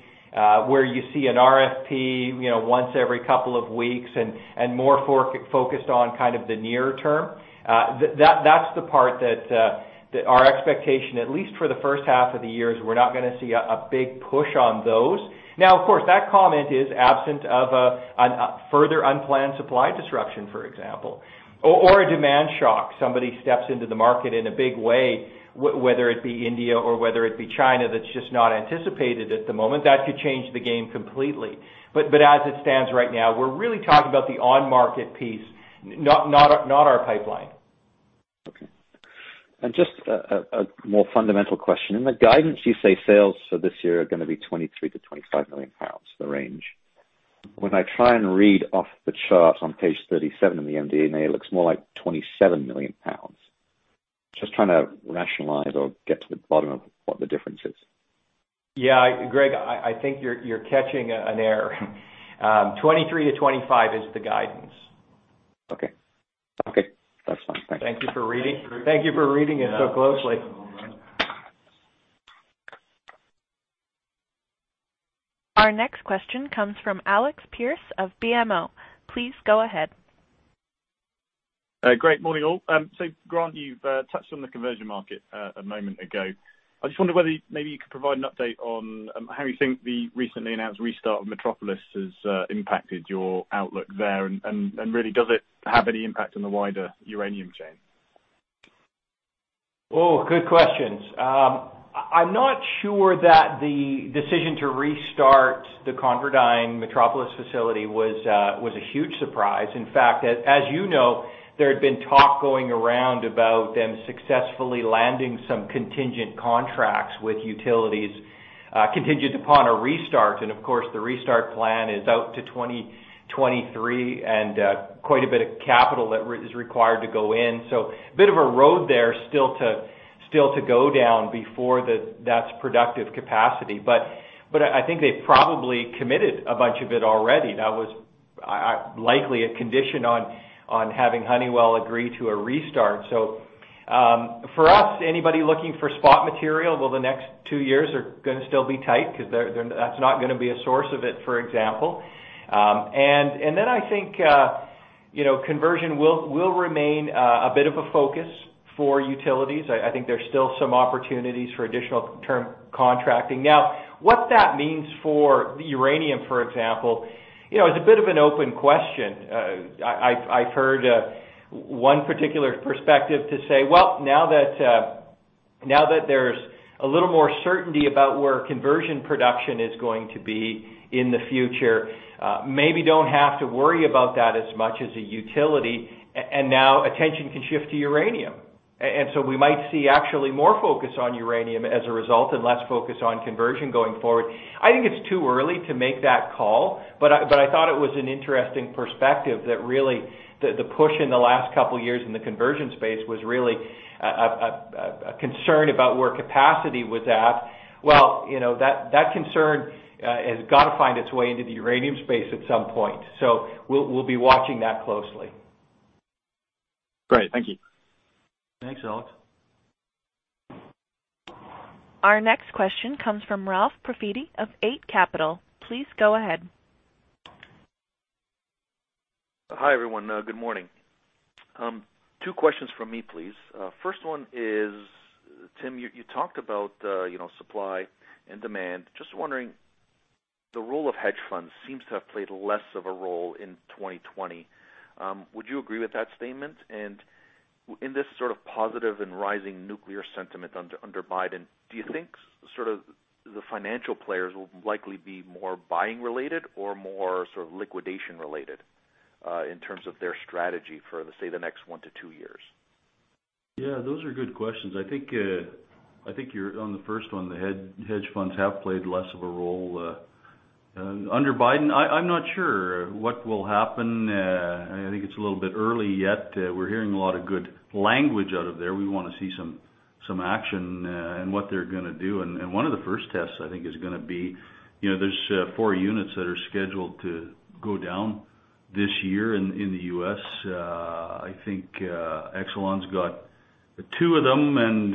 where you see an RFP once every couple of weeks and more focused on the near term, that's the part that our expectation, at least for the first half of the year, is we're not going to see a big push on those. Of course, that comment is absent of a further unplanned supply disruption, for example, or a demand shock. Somebody steps into the market in a big way, whether it be India or whether it be China, that's just not anticipated at the moment. That could change the game completely. As it stands right now, we're really talking about the on-market piece, not our pipeline. Okay. Just a more fundamental question. In the guidance, you say sales for this year are going to be 23 million-25 million pounds, the range. When I try and read off the chart on page 37 in the MD&A, it looks more like 27 million pounds. Just trying to rationalize or get to the bottom of what the difference is. Yeah. Greg, I think you're catching an error. 23-25 is the guidance. Okay. That's fine. Thanks. Thank you for reading it so closely. Yeah. All right. Our next question comes from Alex Pearce of BMO. Please go ahead. Great. Morning, all. Grant, you've touched on the conversion market a moment ago. I just wonder whether maybe you could provide an update on how you think the recently announced restart of Metropolis has impacted your outlook there, and really does it have any impact on the wider uranium chain? Good questions. I'm not sure that the decision to restart the ConverDyn Metropolis facility was a huge surprise. As you know, there had been talk going around about them successfully landing some contingent contracts with utilities, contingent upon a restart. Of course, the restart plan is out to 2023, and quite a bit of capital that is required to go in. Bit of a road there still to go down before that's productive capacity. I think they probably committed a bunch of it already. That was likely a condition on having Honeywell agree to a restart. For us, anybody looking for spot material, well, the next two years are going to still be tight because that's not going to be a source of it, for example. I think conversion will remain a bit of a focus for utilities. I think there's still some opportunities for additional term contracting. What that means for the uranium, for example, is a bit of an open question. I've heard one particular perspective to say, well, now that there's a little more certainty about where conversion production is going to be in the future, maybe don't have to worry about that as much as a utility, and now attention can shift to uranium. We might see actually more focus on uranium as a result and less focus on conversion going forward. I think it's too early to make that call, but I thought it was an interesting perspective that really the push in the last couple of years in the conversion space was really a concern about where capacity was at. Well, that concern has got to find its way into the uranium space at some point. We'll be watching that closely. Great. Thank you. Thanks, Alex. Our next question comes from Ralph Profiti of Eight Capital. Please go ahead. Hi, everyone. Good morning. Two questions from me, please. First one is, Tim, you talked about supply and demand. Just wondering, the role of hedge funds seems to have played less of a role in 2020. Would you agree with that statement? In this sort of positive and rising nuclear sentiment under Biden, do you think sort of the financial players will likely be more buying related or more sort of liquidation related in terms of their strategy for, say, the next one to two years? Yeah, those are good questions. I think you're on the first one. The hedge funds have played less of a role. Under Biden, I'm not sure what will happen. I think it's a little bit early yet. We're hearing a lot of good language out of there. We want to see some action and what they're going to do. One of the first tests I think is going to be, there's four units that are scheduled to go down this year in the U.S. I think Exelon's got two of them, and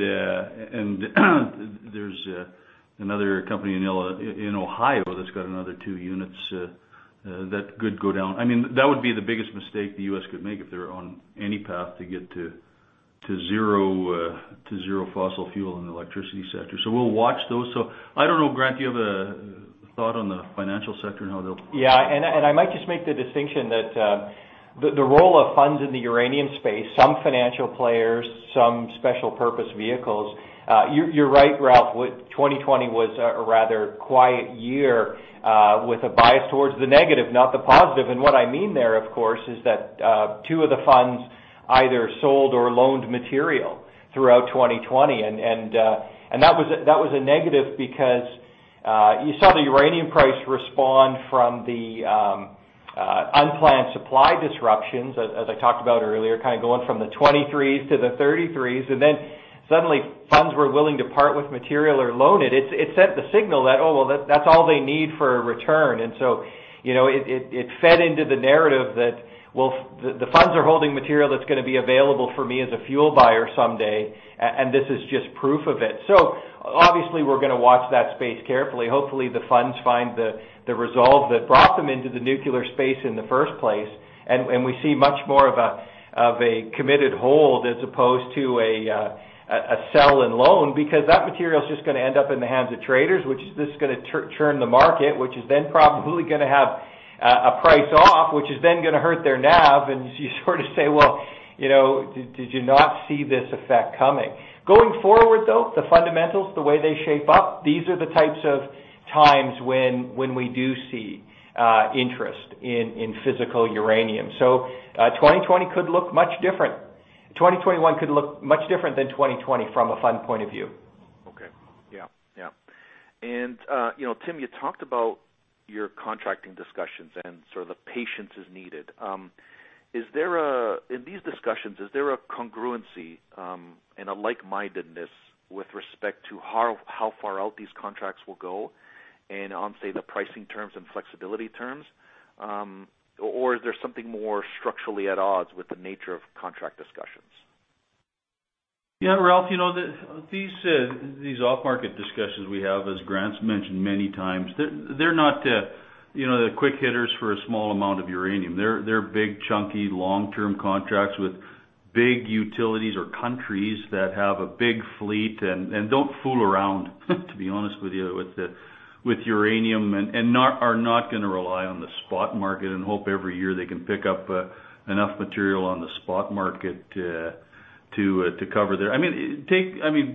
there's another company in Ohio that's got another two units that could go down. That would be the biggest mistake the U.S. could make if they were on any path to get to zero fossil fuel in the electricity sector. We'll watch those. I don't know, Grant, do you have a thought on the financial sector and how they'll- Yeah, I might just make the distinction that the role of funds in the uranium space, some financial players, some special purpose vehicles. You're right, Ralph, 2020 was a rather quiet year with a bias towards the negative, not the positive. What I mean there, of course, is that two of the funds either sold or loaned material throughout 2020. That was a negative because you saw the uranium price respond from the unplanned supply disruptions, as I talked about earlier, going from the 23s to the 33s. Then suddenly funds were willing to part with material or loan it. It sent the signal that, oh, well, that's all they need for a return. It fed into the narrative that, well, the funds are holding material that's going to be available for me as a fuel buyer someday, and this is just proof of it. Obviously we're going to watch that space carefully. Hopefully the funds find the resolve that brought them into the nuclear space in the first place. We see much more of a committed hold as opposed to a sell and loan because that material's just going to end up in the hands of traders, which is just going to churn the market, which is then probably going to have a price off, which is then going to hurt their NAV. You sort of say, well, did you not see this effect coming? Going forward, though, the fundamentals, the way they shape up, these are the types of times when we do see interest in physical uranium. 2021 could look much different than 2020 from a fund point of view. Okay. Yeah. Tim, you talked about your contracting discussions and the patience is needed. In these discussions, is there a congruency and a like-mindedness with respect to how far out these contracts will go and on, say, the pricing terms and flexibility terms? Is there something more structurally at odds with the nature of contract discussions? Yeah, Ralph, these off-market discussions we have, as Grant's mentioned many times, they're not the quick hitters for a small amount of uranium. They're big, chunky, long-term contracts with big utilities or countries that have a big fleet and don't fool around, to be honest with you, with uranium and are not going to rely on the spot market and hope every year they can pick up enough material on the spot market to cover there.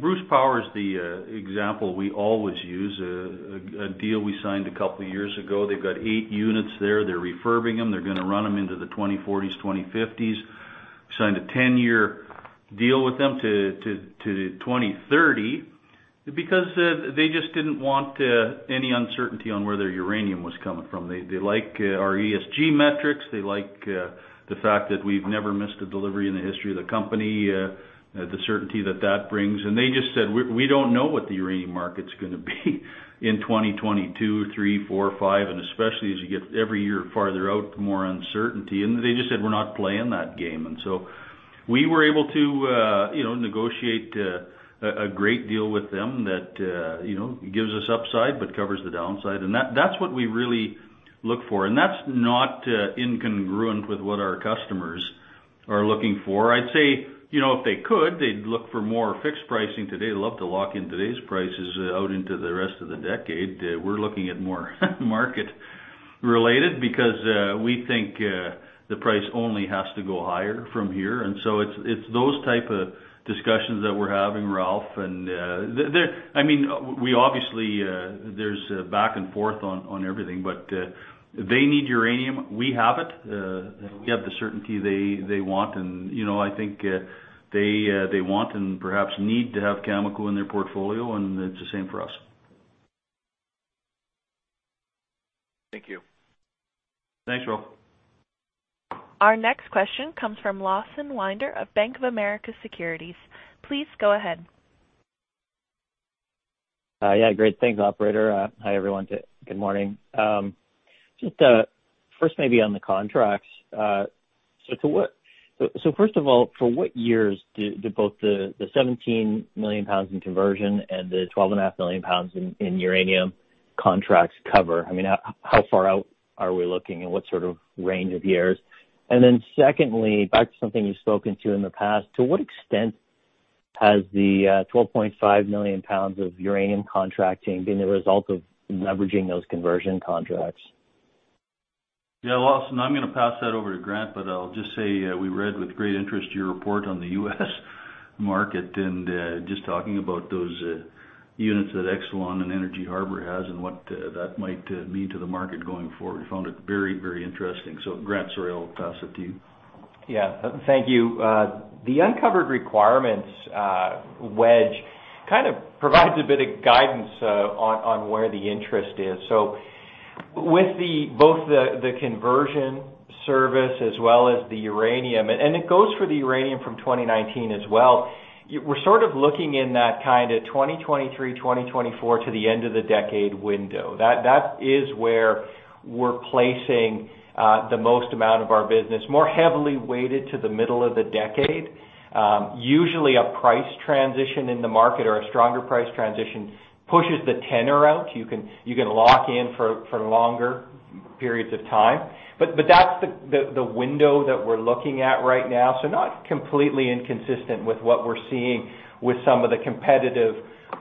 Bruce Power is the example we always use, a deal we signed a couple of years ago. They've got eight units there. They're refurbing them. They're going to run them into the 2040s, 2050s. Signed a 10-year deal with them to 2030 because they just didn't want any uncertainty on where their uranium was coming from. They like our ESG metrics. They like the fact that we've never missed a delivery in the history of the company, the certainty that that brings. They just said, "We don't know what the uranium market's going to be in 2022, 2023, 2024 or 2025," and especially as you get every year farther out, the more uncertainty. They just said, "We're not playing that game." We were able to negotiate a great deal with them that gives us upside but covers the downside. That's what we really look for. That's not incongruent with what our customers are looking for. I'd say if they could, they'd look for more fixed pricing today. They'd love to lock in today's prices out into the rest of the decade. We're looking at more market related because we think the price only has to go higher from here. It's those type of discussions that we're having, Ralph. Obviously there's a back and forth on everything. They need uranium. We have it. We have the certainty they want. I think they want and perhaps need to have Cameco in their portfolio. It's the same for us. Thank you. Thanks, Ralph. Our next question comes from Lawson Winder of Bank of America Securities. Please go ahead. Yeah, great. Thanks, operator. Hi, everyone. Good morning. Just first maybe on the contracts. First of all, for what years do both the 17 million pounds in conversion and the 12.5 million pounds in uranium contracts cover? How far out are we looking and what sort of range of years? Then secondly, back to something you've spoken to in the past, to what extent has the 12.5 million pounds of uranium contracting been the result of leveraging those conversion contracts? Lawson, I'm going to pass that over to Grant, but I'll just say we read with great interest your report on the U.S. market and just talking about those units that Exelon and Energy Harbor has and what that might mean to the market going forward. We found it very interesting. Grant, sorry, I'll pass it to you. Yeah. Thank you. The uncovered requirements wedge kind of provides a bit of guidance on where the interest is. With both the conversion service as well as the uranium, and it goes for the uranium from 2019 as well, we're sort of looking in that kind of 2023, 2024 to the end of the decade window. That is where we're placing the most amount of our business, more heavily weighted to the middle of the decade. Usually a price transition in the market or a stronger price transition pushes the tenor out. You can lock in for longer periods of time. That's the window that we're looking at right now. Not completely inconsistent with what we're seeing with some of the competitive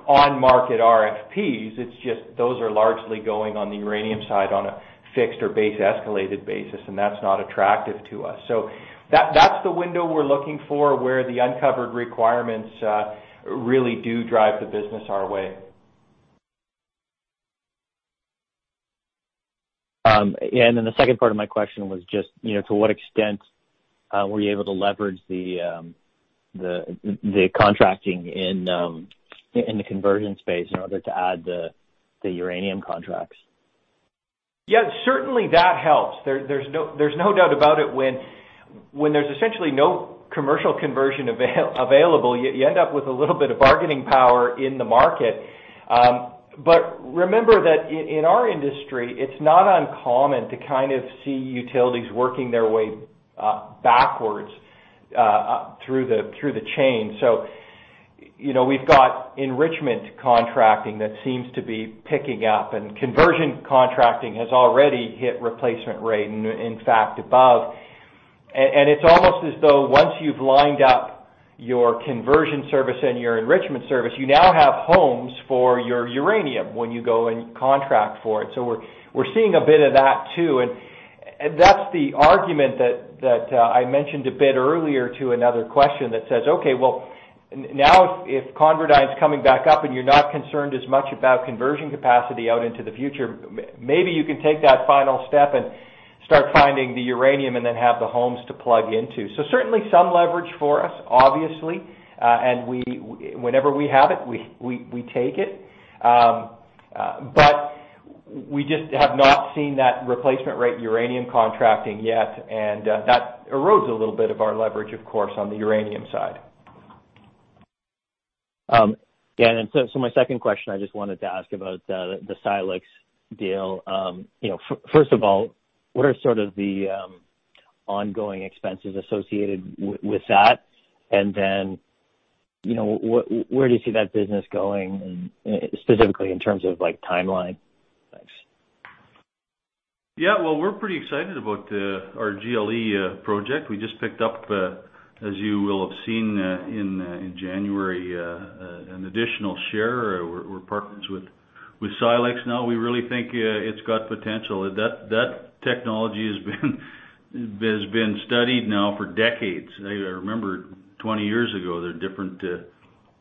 on-market RFPs. It's just those are largely going on the uranium side on a fixed or base escalated basis, and that's not attractive to us. That's the window we're looking for, where the uncovered requirements really do drive the business our way. The second part of my question was just, to what extent were you able to leverage the contracting in the conversion space in order to add the uranium contracts? Yes, certainly that helps. There's no doubt about it. When there's essentially no commercial conversion available, you end up with a little bit of bargaining power in the market. Remember that in our industry, it's not uncommon to kind of see utilities working their way backwards through the chain. We've got enrichment contracting that seems to be picking up, and conversion contracting has already hit replacement rate, in fact, above. It's almost as though once you've lined up your conversion service and your enrichment service, you now have homes for your uranium when you go and contract for it. We're seeing a bit of that, too. That's the argument that I mentioned a bit earlier to another question that says, okay, well now if ConverDyn is coming back up and you're not concerned as much about conversion capacity out into the future, maybe you can take that final step and start finding the uranium and then have the homes to plug into. Certainly some leverage for us, obviously. Whenever we have it, we take it. We just have not seen that replacement rate uranium contracting yet, and that erodes a little bit of our leverage, of course, on the uranium side. My second question, I just wanted to ask about the Silex deal. First of all, what are sort of the ongoing expenses associated with that? Where do you see that business going, and specifically in terms of timeline? Thanks. Well, we're pretty excited about our GLE project. We just picked up, as you will have seen in January, an additional share. We're partners with Silex now. We really think it's got potential. That technology has been studied now for decades. I remember 20 years ago, there were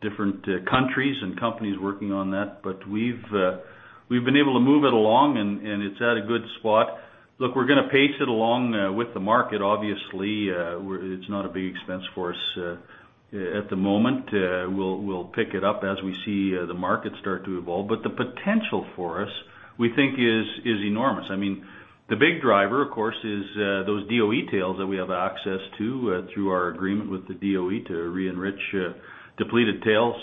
different countries and companies working on that. We've been able to move it along, and it's at a good spot. Look, we're going to pace it along with the market. Obviously, it's not a big expense for us at the moment. We'll pick it up as we see the market start to evolve. The potential for us, we think, is enormous. The big driver, of course, is those DOE tails that we have access to through our agreement with the DOE to re-enrich depleted tails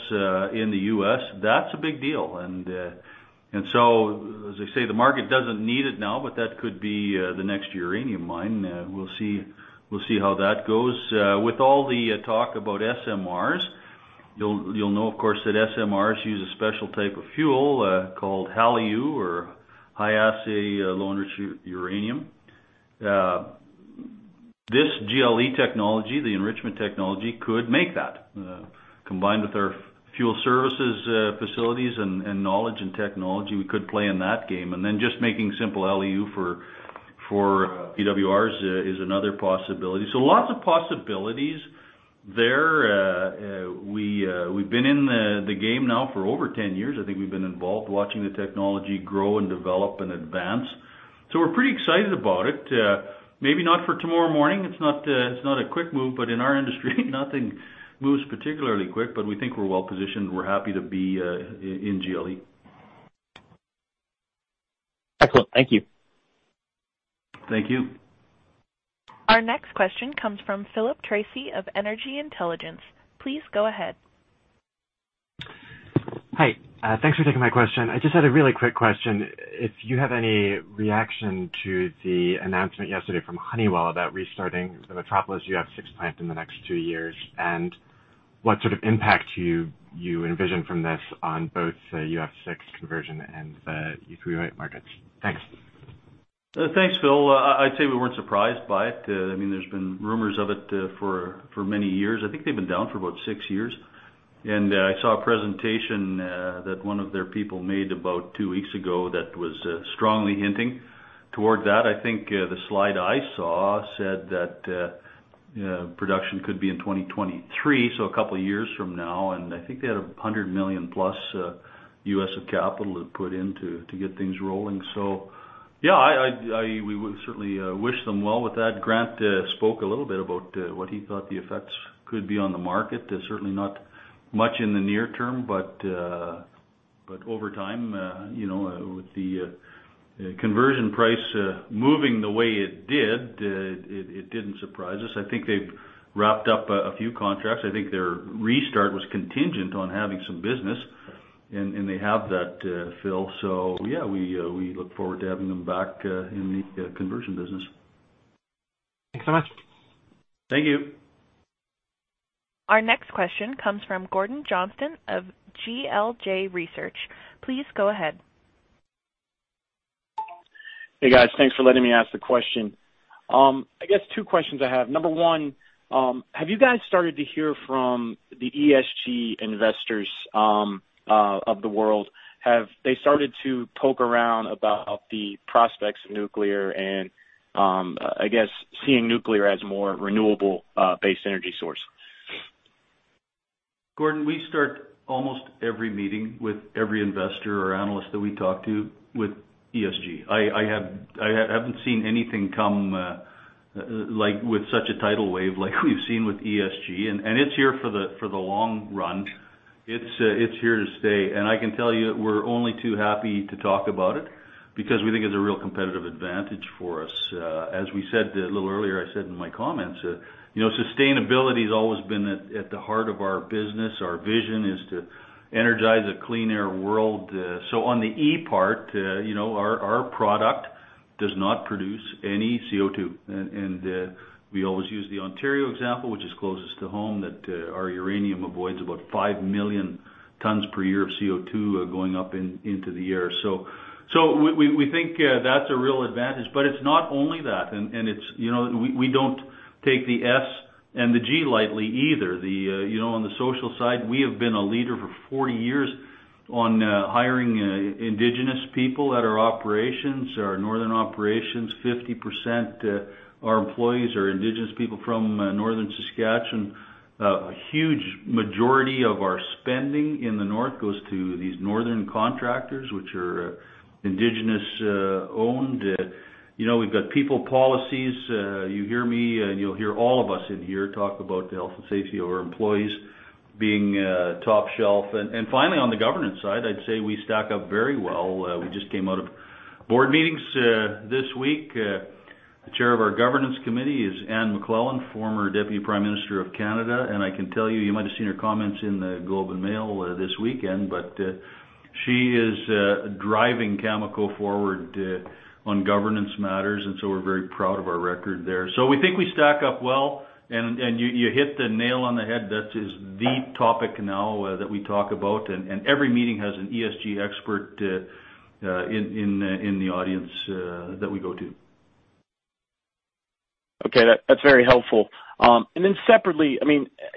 in the U.S. That's a big deal. As I say, the market doesn't need it now, but that could be the next uranium mine. We'll see how that goes. With all the talk about SMRs, you'll know, of course, that SMRs use a special type of fuel, called HALEU or high-assay low-enriched uranium. This GLE technology, the enrichment technology, could make that. Combined with our fuel services facilities and knowledge and technology, we could play in that game. Just making simple LEU for PWRs is another possibility. Lots of possibilities there. We've been in the game now for over 10 years. I think we've been involved watching the technology grow and develop and advance. We're pretty excited about it. Maybe not for tomorrow morning. It's not a quick move, but in our industry, nothing moves particularly quick. We think we're well-positioned. We're happy to be in GLE. Excellent. Thank you. Thank you. Our next question comes from Philip Chaffee of Energy Intelligence. Please go ahead. Hi. Thanks for taking my question. I just had a really quick question. If you have any reaction to the announcement yesterday from Honeywell about restarting the Metropolis UF6 plant in the next two years, and what sort of impact you envision from this on both the UF6 conversion and the U3O8 markets. Thanks. Thanks, Phil. I'd say we weren't surprised by it. There's been rumors of it for many years. I think they've been down for about six years. I saw a presentation that one of their people made about two weeks ago that was strongly hinting toward that. I think the slide I saw said that production could be in 2023, so a couple of years from now. I think they had $100 million plus of capital to put in to get things rolling. Yeah, we would certainly wish them well with that. Grant spoke a little bit about what he thought the effects could be on the market. Certainly not much in the near term, but over time, with the conversion price moving the way it did, it didn't surprise us. I think they've wrapped up a few contracts. I think their restart was contingent on having some business, and they have that, Phil. Yeah, we look forward to having them back in the conversion business. Thanks so much. Thank you. Our next question comes from Gordon Johnson of GLJ Research. Please go ahead. Hey guys, thanks for letting me ask the question. I guess two questions I have. Number one, have you guys started to hear from the ESG investors of the world? Have they started to poke around about the prospects of nuclear and, I guess, seeing nuclear as a more renewable-based energy source? Gordon, we start almost every meeting with every investor or analyst that we talk to with ESG. I haven't seen anything come with such a tidal wave like we've seen with ESG. It's here for the long run. It's here to stay. I can tell you that we're only too happy to talk about it because we think it's a real competitive advantage for us. As we said a little earlier, I said in my comments, sustainability has always been at the heart of our business. Our vision is to energize a clean air world. On the E part, our product does not produce any CO2. We always use the Ontario example, which is closest to home, that our uranium avoids about 5 million tons per year of CO2 going up into the air. We think that's a real advantage, but it's not only that, and we don't take the ESG lightly either. On the social side, we have been a leader for 40 years on hiring Indigenous people at our operations, our northern operations, 50% are employees are Indigenous people from Northern Saskatchewan. A huge majority of our spending in the north goes to these northern contractors, which are Indigenous-owned. We've got people policies. You hear me, and you'll hear all of us in here talk about the health and safety of our employees being top shelf. Finally, on the governance side, I'd say we stack up very well. We just came out of board meetings this week. The Chair of our Governance Committee is Anne McLellan, former Deputy Prime Minister of Canada. I can tell you might have seen her comments in The Globe and Mail this weekend. She is driving Cameco forward on governance matters. We're very proud of our record there. We think we stack up well. You hit the nail on the head. That is the topic now that we talk about. Every meeting has an ESG expert in the audience that we go to. Okay. That's very helpful. Separately,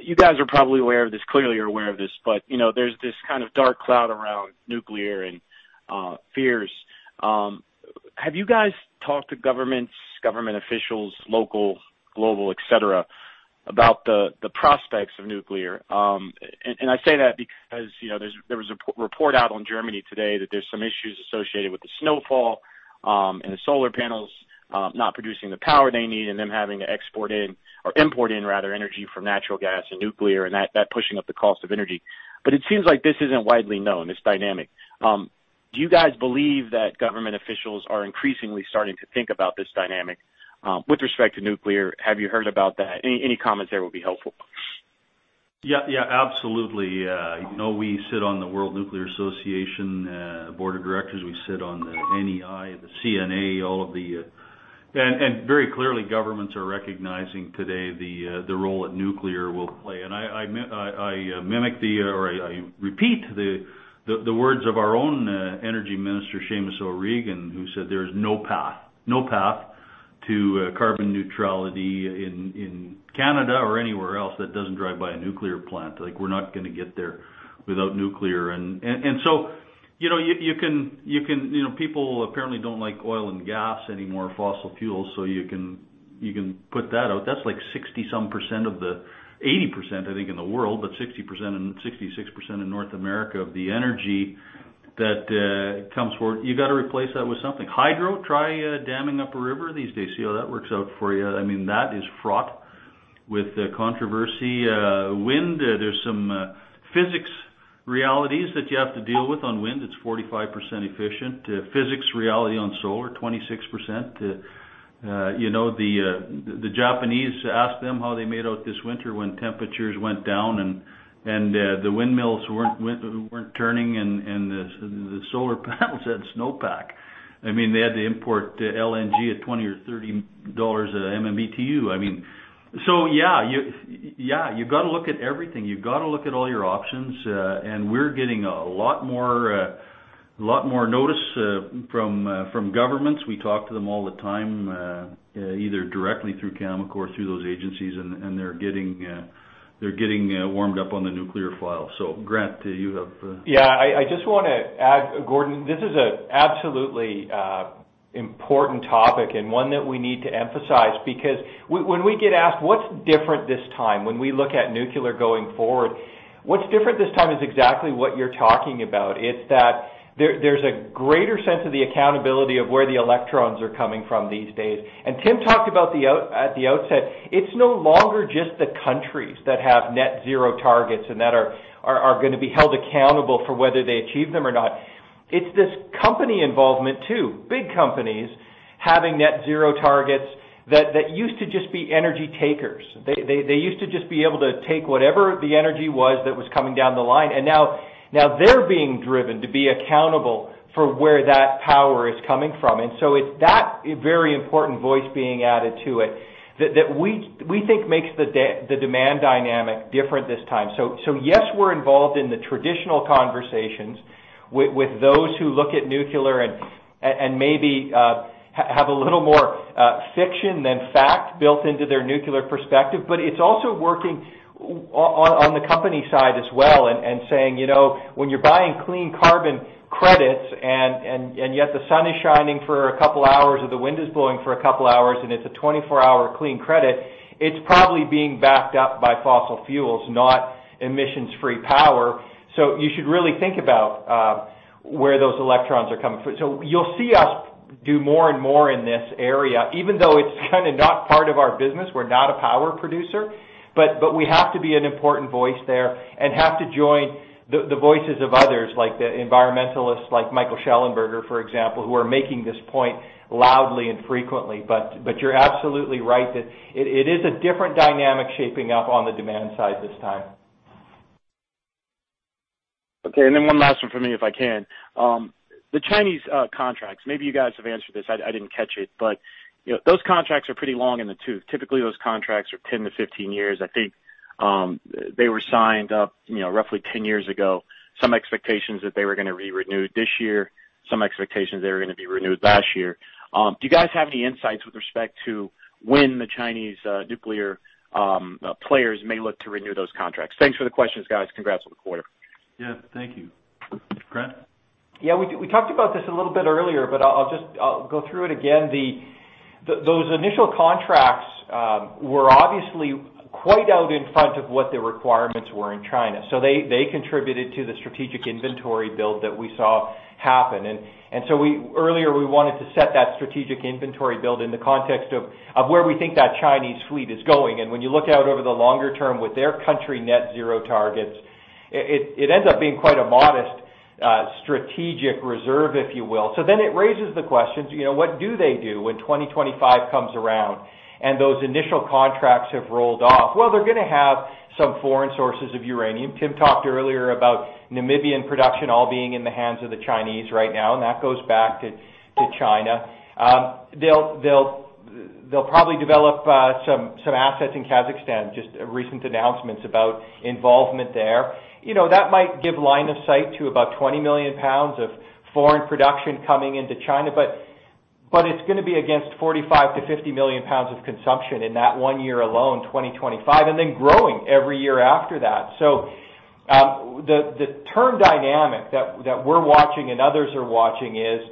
you guys are probably aware of this, clearly you're aware of this, but there's this kind of dark cloud around nuclear and fears. Have you guys talked to governments, government officials, local, global, et cetera, about the prospects of nuclear? I say that because there was a report out on Germany today that there's some issues associated with the snowfall, and the solar panels not producing the power they need, and them having to export in or import in, rather, energy from natural gas and nuclear, and that pushing up the cost of energy. It seems like this isn't widely known, this dynamic. Do you guys believe that government officials are increasingly starting to think about this dynamic with respect to nuclear? Have you heard about that? Any comments there will be helpful. Yeah, absolutely. We sit on the World Nuclear Association board of directors. We sit on the NEI, the CNA. Very clearly, governments are recognizing today the role that nuclear will play. I repeat the words of our own energy minister, Seamus O'Regan, who said there is no path to carbon neutrality in Canada or anywhere else that doesn't drive by a nuclear plant. We're not going to get there without nuclear. People apparently don't like oil and gas anymore, fossil fuels, so you can put that out. That's like 60%-some of the 80%, I think, in the world, but 60% and 66% in North America of the energy that comes forward. You got to replace that with something. Hydro? Try damming up a river these days, see how that works out for you. That is fraught with controversy. Wind, there's some physics realities that you have to deal with on wind. It's 45% efficient. Physics reality on solar, 26%. The Japanese, ask them how they made out this winter when temperatures went down and the windmills weren't turning and the solar panels had snowpack. They had to import LNG at $20 or $30 MMBtu. Yeah, you've got to look at everything. You've got to look at all your options. We're getting a lot more notice from governments. We talk to them all the time, either directly through Cameco or through those agencies, and they're getting warmed up on the nuclear file. Grant, do you have. Yeah, I just want to add, Gordon, this is an absolutely important topic and one that we need to emphasize because when we get asked what's different this time when we look at nuclear going forward, what's different this time is exactly what you're talking about. It's that there's a greater sense of the accountability of where the electrons are coming from these days. Tim talked about at the outset, it's no longer just the countries that have net zero targets and that are going to be held accountable for whether they achieve them or not. It's this company involvement, too, big companies. Having net zero targets that used to just be energy takers. They used to just be able to take whatever the energy was that was coming down the line, now they're being driven to be accountable for where that power is coming from. It's that very important voice being added to it that we think makes the demand dynamic different this time. Yes, we're involved in the traditional conversations with those who look at nuclear and maybe have a little more fiction than fact built into their nuclear perspective, it's also working on the company side as well and saying, when you're buying clean carbon credits and yet the sun is shining for a couple hours or the wind is blowing for a couple hours, and it's a 24-hour clean credit, it's probably being backed up by fossil fuels, not emissions-free power. You should really think about where those electrons are coming from. You'll see us do more and more in this area, even though it's kind of not part of our business. We're not a power producer, but we have to be an important voice there and have to join the voices of others, like the environmentalists like Michael Shellenberger, for example, who are making this point loudly and frequently. You're absolutely right that it is a different dynamic shaping up on the demand side this time. Okay, one last one from me, if I can. The Chinese contracts, maybe you guys have answered this, I didn't catch it, but those contracts are pretty long in the tooth. Typically, those contracts are 10 to 15 years. I think they were signed up roughly 10 years ago. Some expectations that they were going to be renewed this year, some expectations they were going to be renewed last year. Do you guys have any insights with respect to when the Chinese nuclear players may look to renew those contracts? Thanks for the questions, guys. Congrats on the quarter. Yeah, thank you. Grant? We talked about this a little bit earlier. I'll go through it again. Those initial contracts were obviously quite out in front of what the requirements were in China. They contributed to the strategic inventory build that we saw happen. Earlier, we wanted to set that strategic inventory build in the context of where we think that Chinese fleet is going. When you look out over the longer term with their country net zero targets, it ends up being quite a modest strategic reserve, if you will. It raises the questions, what do they do when 2025 comes around and those initial contracts have rolled off? Well, they're going to have some foreign sources of uranium. Tim talked earlier about Namibian production all being in the hands of the Chinese right now, and that goes back to China. They'll probably develop some assets in Kazakhstan, just recent announcements about involvement there. That might give line of sight to about 20 million pounds of foreign production coming into China, but it's going to be against 45 million-50 million pounds of consumption in that one year alone, 2025, and then growing every year after that. The term dynamic that we're watching and others are watching is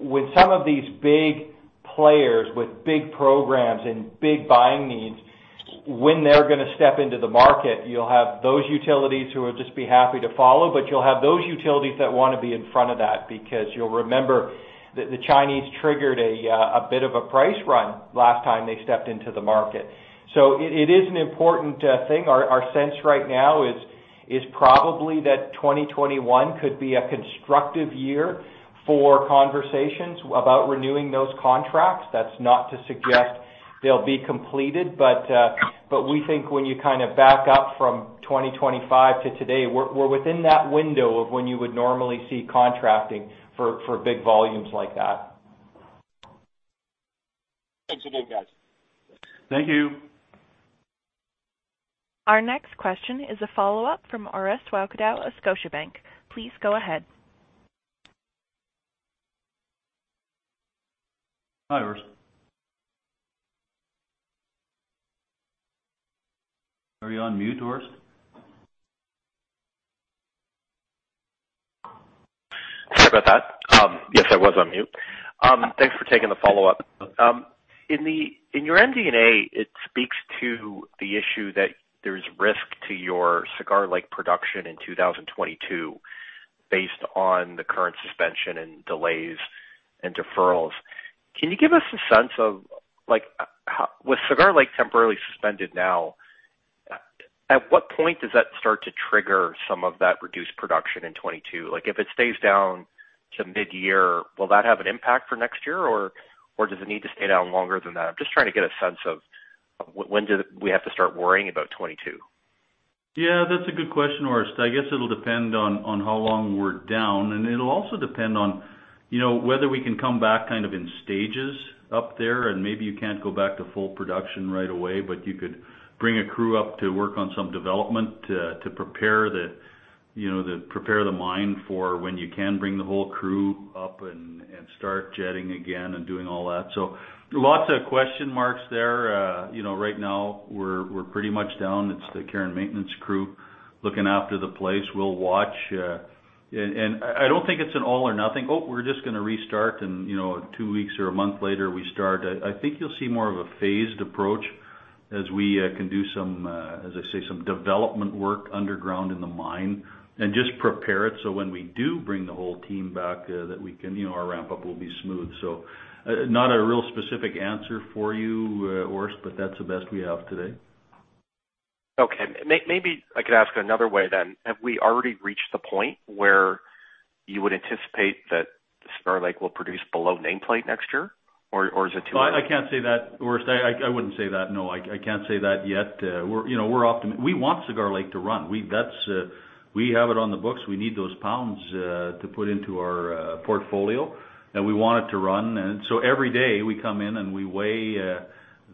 with some of these big players with big programs and big buying needs, when they're going to step into the market, you'll have those utilities who will just be happy to follow, but you'll have those utilities that want to be in front of that because you'll remember that the Chinese triggered a bit of a price run last time they stepped into the market. It is an important thing. Our sense right now is probably that 2021 could be a constructive year for conversations about renewing those contracts. That's not to suggest they'll be completed. We think when you back up from 2025 to today, we're within that window of when you would normally see contracting for big volumes like that. Thanks again, guys. Thank you. Our next question is a follow-up from Orest Wowkodaw of Scotiabank. Please go ahead. Hi, Orest. Are you on mute, Orest? Sorry about that. Yes, I was on mute. Thanks for taking the follow-up. In your MD&A, it speaks to the issue that there's risk to your Cigar Lake production in 2022 based on the current suspension and delays and deferrals. Can you give us a sense of, with Cigar Lake temporarily suspended now, at what point does that start to trigger some of that reduced production in 2022? If it stays down to mid-year, will that have an impact for next year, or does it need to stay down longer than that? I'm just trying to get a sense of when do we have to start worrying about 2022. Yeah, that's a good question, Orest. I guess it'll depend on how long we're down, and it'll also depend on whether we can come back in stages up there, and maybe you can't go back to full production right away, but you could bring a crew up to work on some development to prepare the mine for when you can bring the whole crew up and start jetting again and doing all that. Lots of question marks there. Right now we're pretty much down. It's the care and maintenance crew looking after the place. We'll watch. I don't think it's an all or nothing, "Oh, we're just going to restart," and two weeks or a month later, we start. I think you'll see more of a phased approach as we can do some, as I say, some development work underground in the mine and just prepare it, so when we do bring the whole team back, our ramp up will be smooth. Not a real specific answer for you, Orest, but that's the best we have today. Okay. Maybe I could ask another way then. Have we already reached the point where you would anticipate that Cigar Lake will produce below nameplate next year or is it too early? I can't say that, or I wouldn't say that, no. I can't say that yet. We want Cigar Lake to run. We have it on the books. We need those pounds to put into our portfolio. We want it to run. Every day we come in and we weigh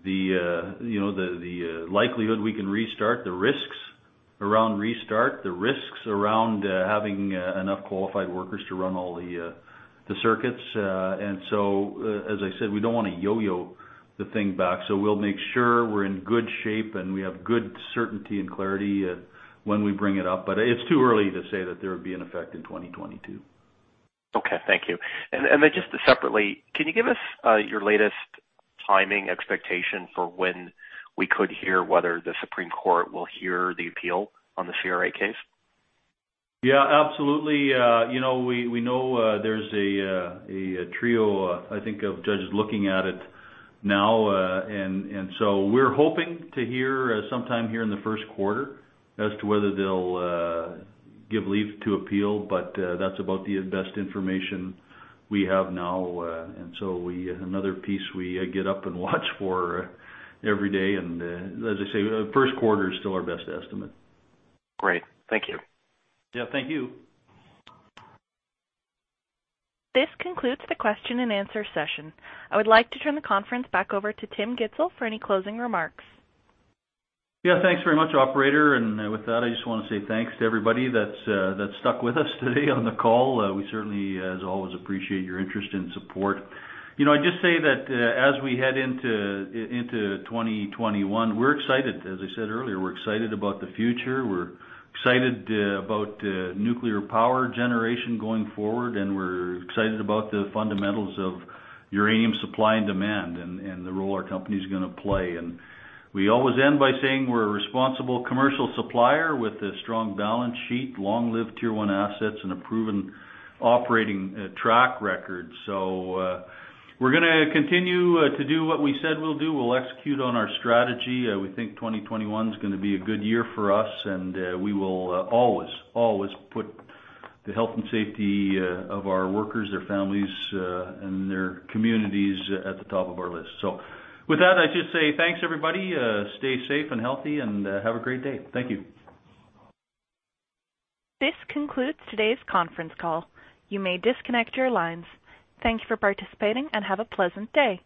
the likelihood we can restart, the risks around restart, the risks around having enough qualified workers to run all the circuits. As I said, we don't want to yo-yo the thing back. We'll make sure we're in good shape and we have good certainty and clarity when we bring it up. It's too early to say that there would be an effect in 2022. Okay, thank you. Just separately, can you give us your latest timing expectation for when we could hear whether the Supreme Court will hear the appeal on the CRA case? Yeah, absolutely. We know there's a trio, I think, of judges looking at it now. We're hoping to hear sometime here in the first quarter as to whether they'll give leave to appeal, but that's about the best information we have now. Another piece we get up and watch for every day, and as I say, first quarter is still our best estimate. Great. Thank you. Yeah, thank you. This concludes the question and answer session. I would like to turn the conference back over to Tim Gitzel for any closing remarks. Yeah, thanks very much, operator. With that, I just want to say thanks to everybody that stuck with us today on the call. We certainly, as always, appreciate your interest and support. I'd just say that as we head into 2021, we're excited. As I said earlier, we're excited about the future, we're excited about nuclear power generation going forward, and we're excited about the fundamentals of uranium supply and demand and the role our company's going to play. We always end by saying we're a responsible commercial supplier with a strong balance sheet, long-lived Tier 1 assets, and a proven operating track record. We're going to continue to do what we said we'll do. We'll execute on our strategy. We think 2021's going to be a good year for us, and we will always put the health and safety of our workers, their families, and their communities at the top of our list. With that, I just say thanks everybody, stay safe and healthy, and have a great day. Thank you. This concludes today's conference call. You may disconnect your lines. Thank you for participating and have a pleasant day.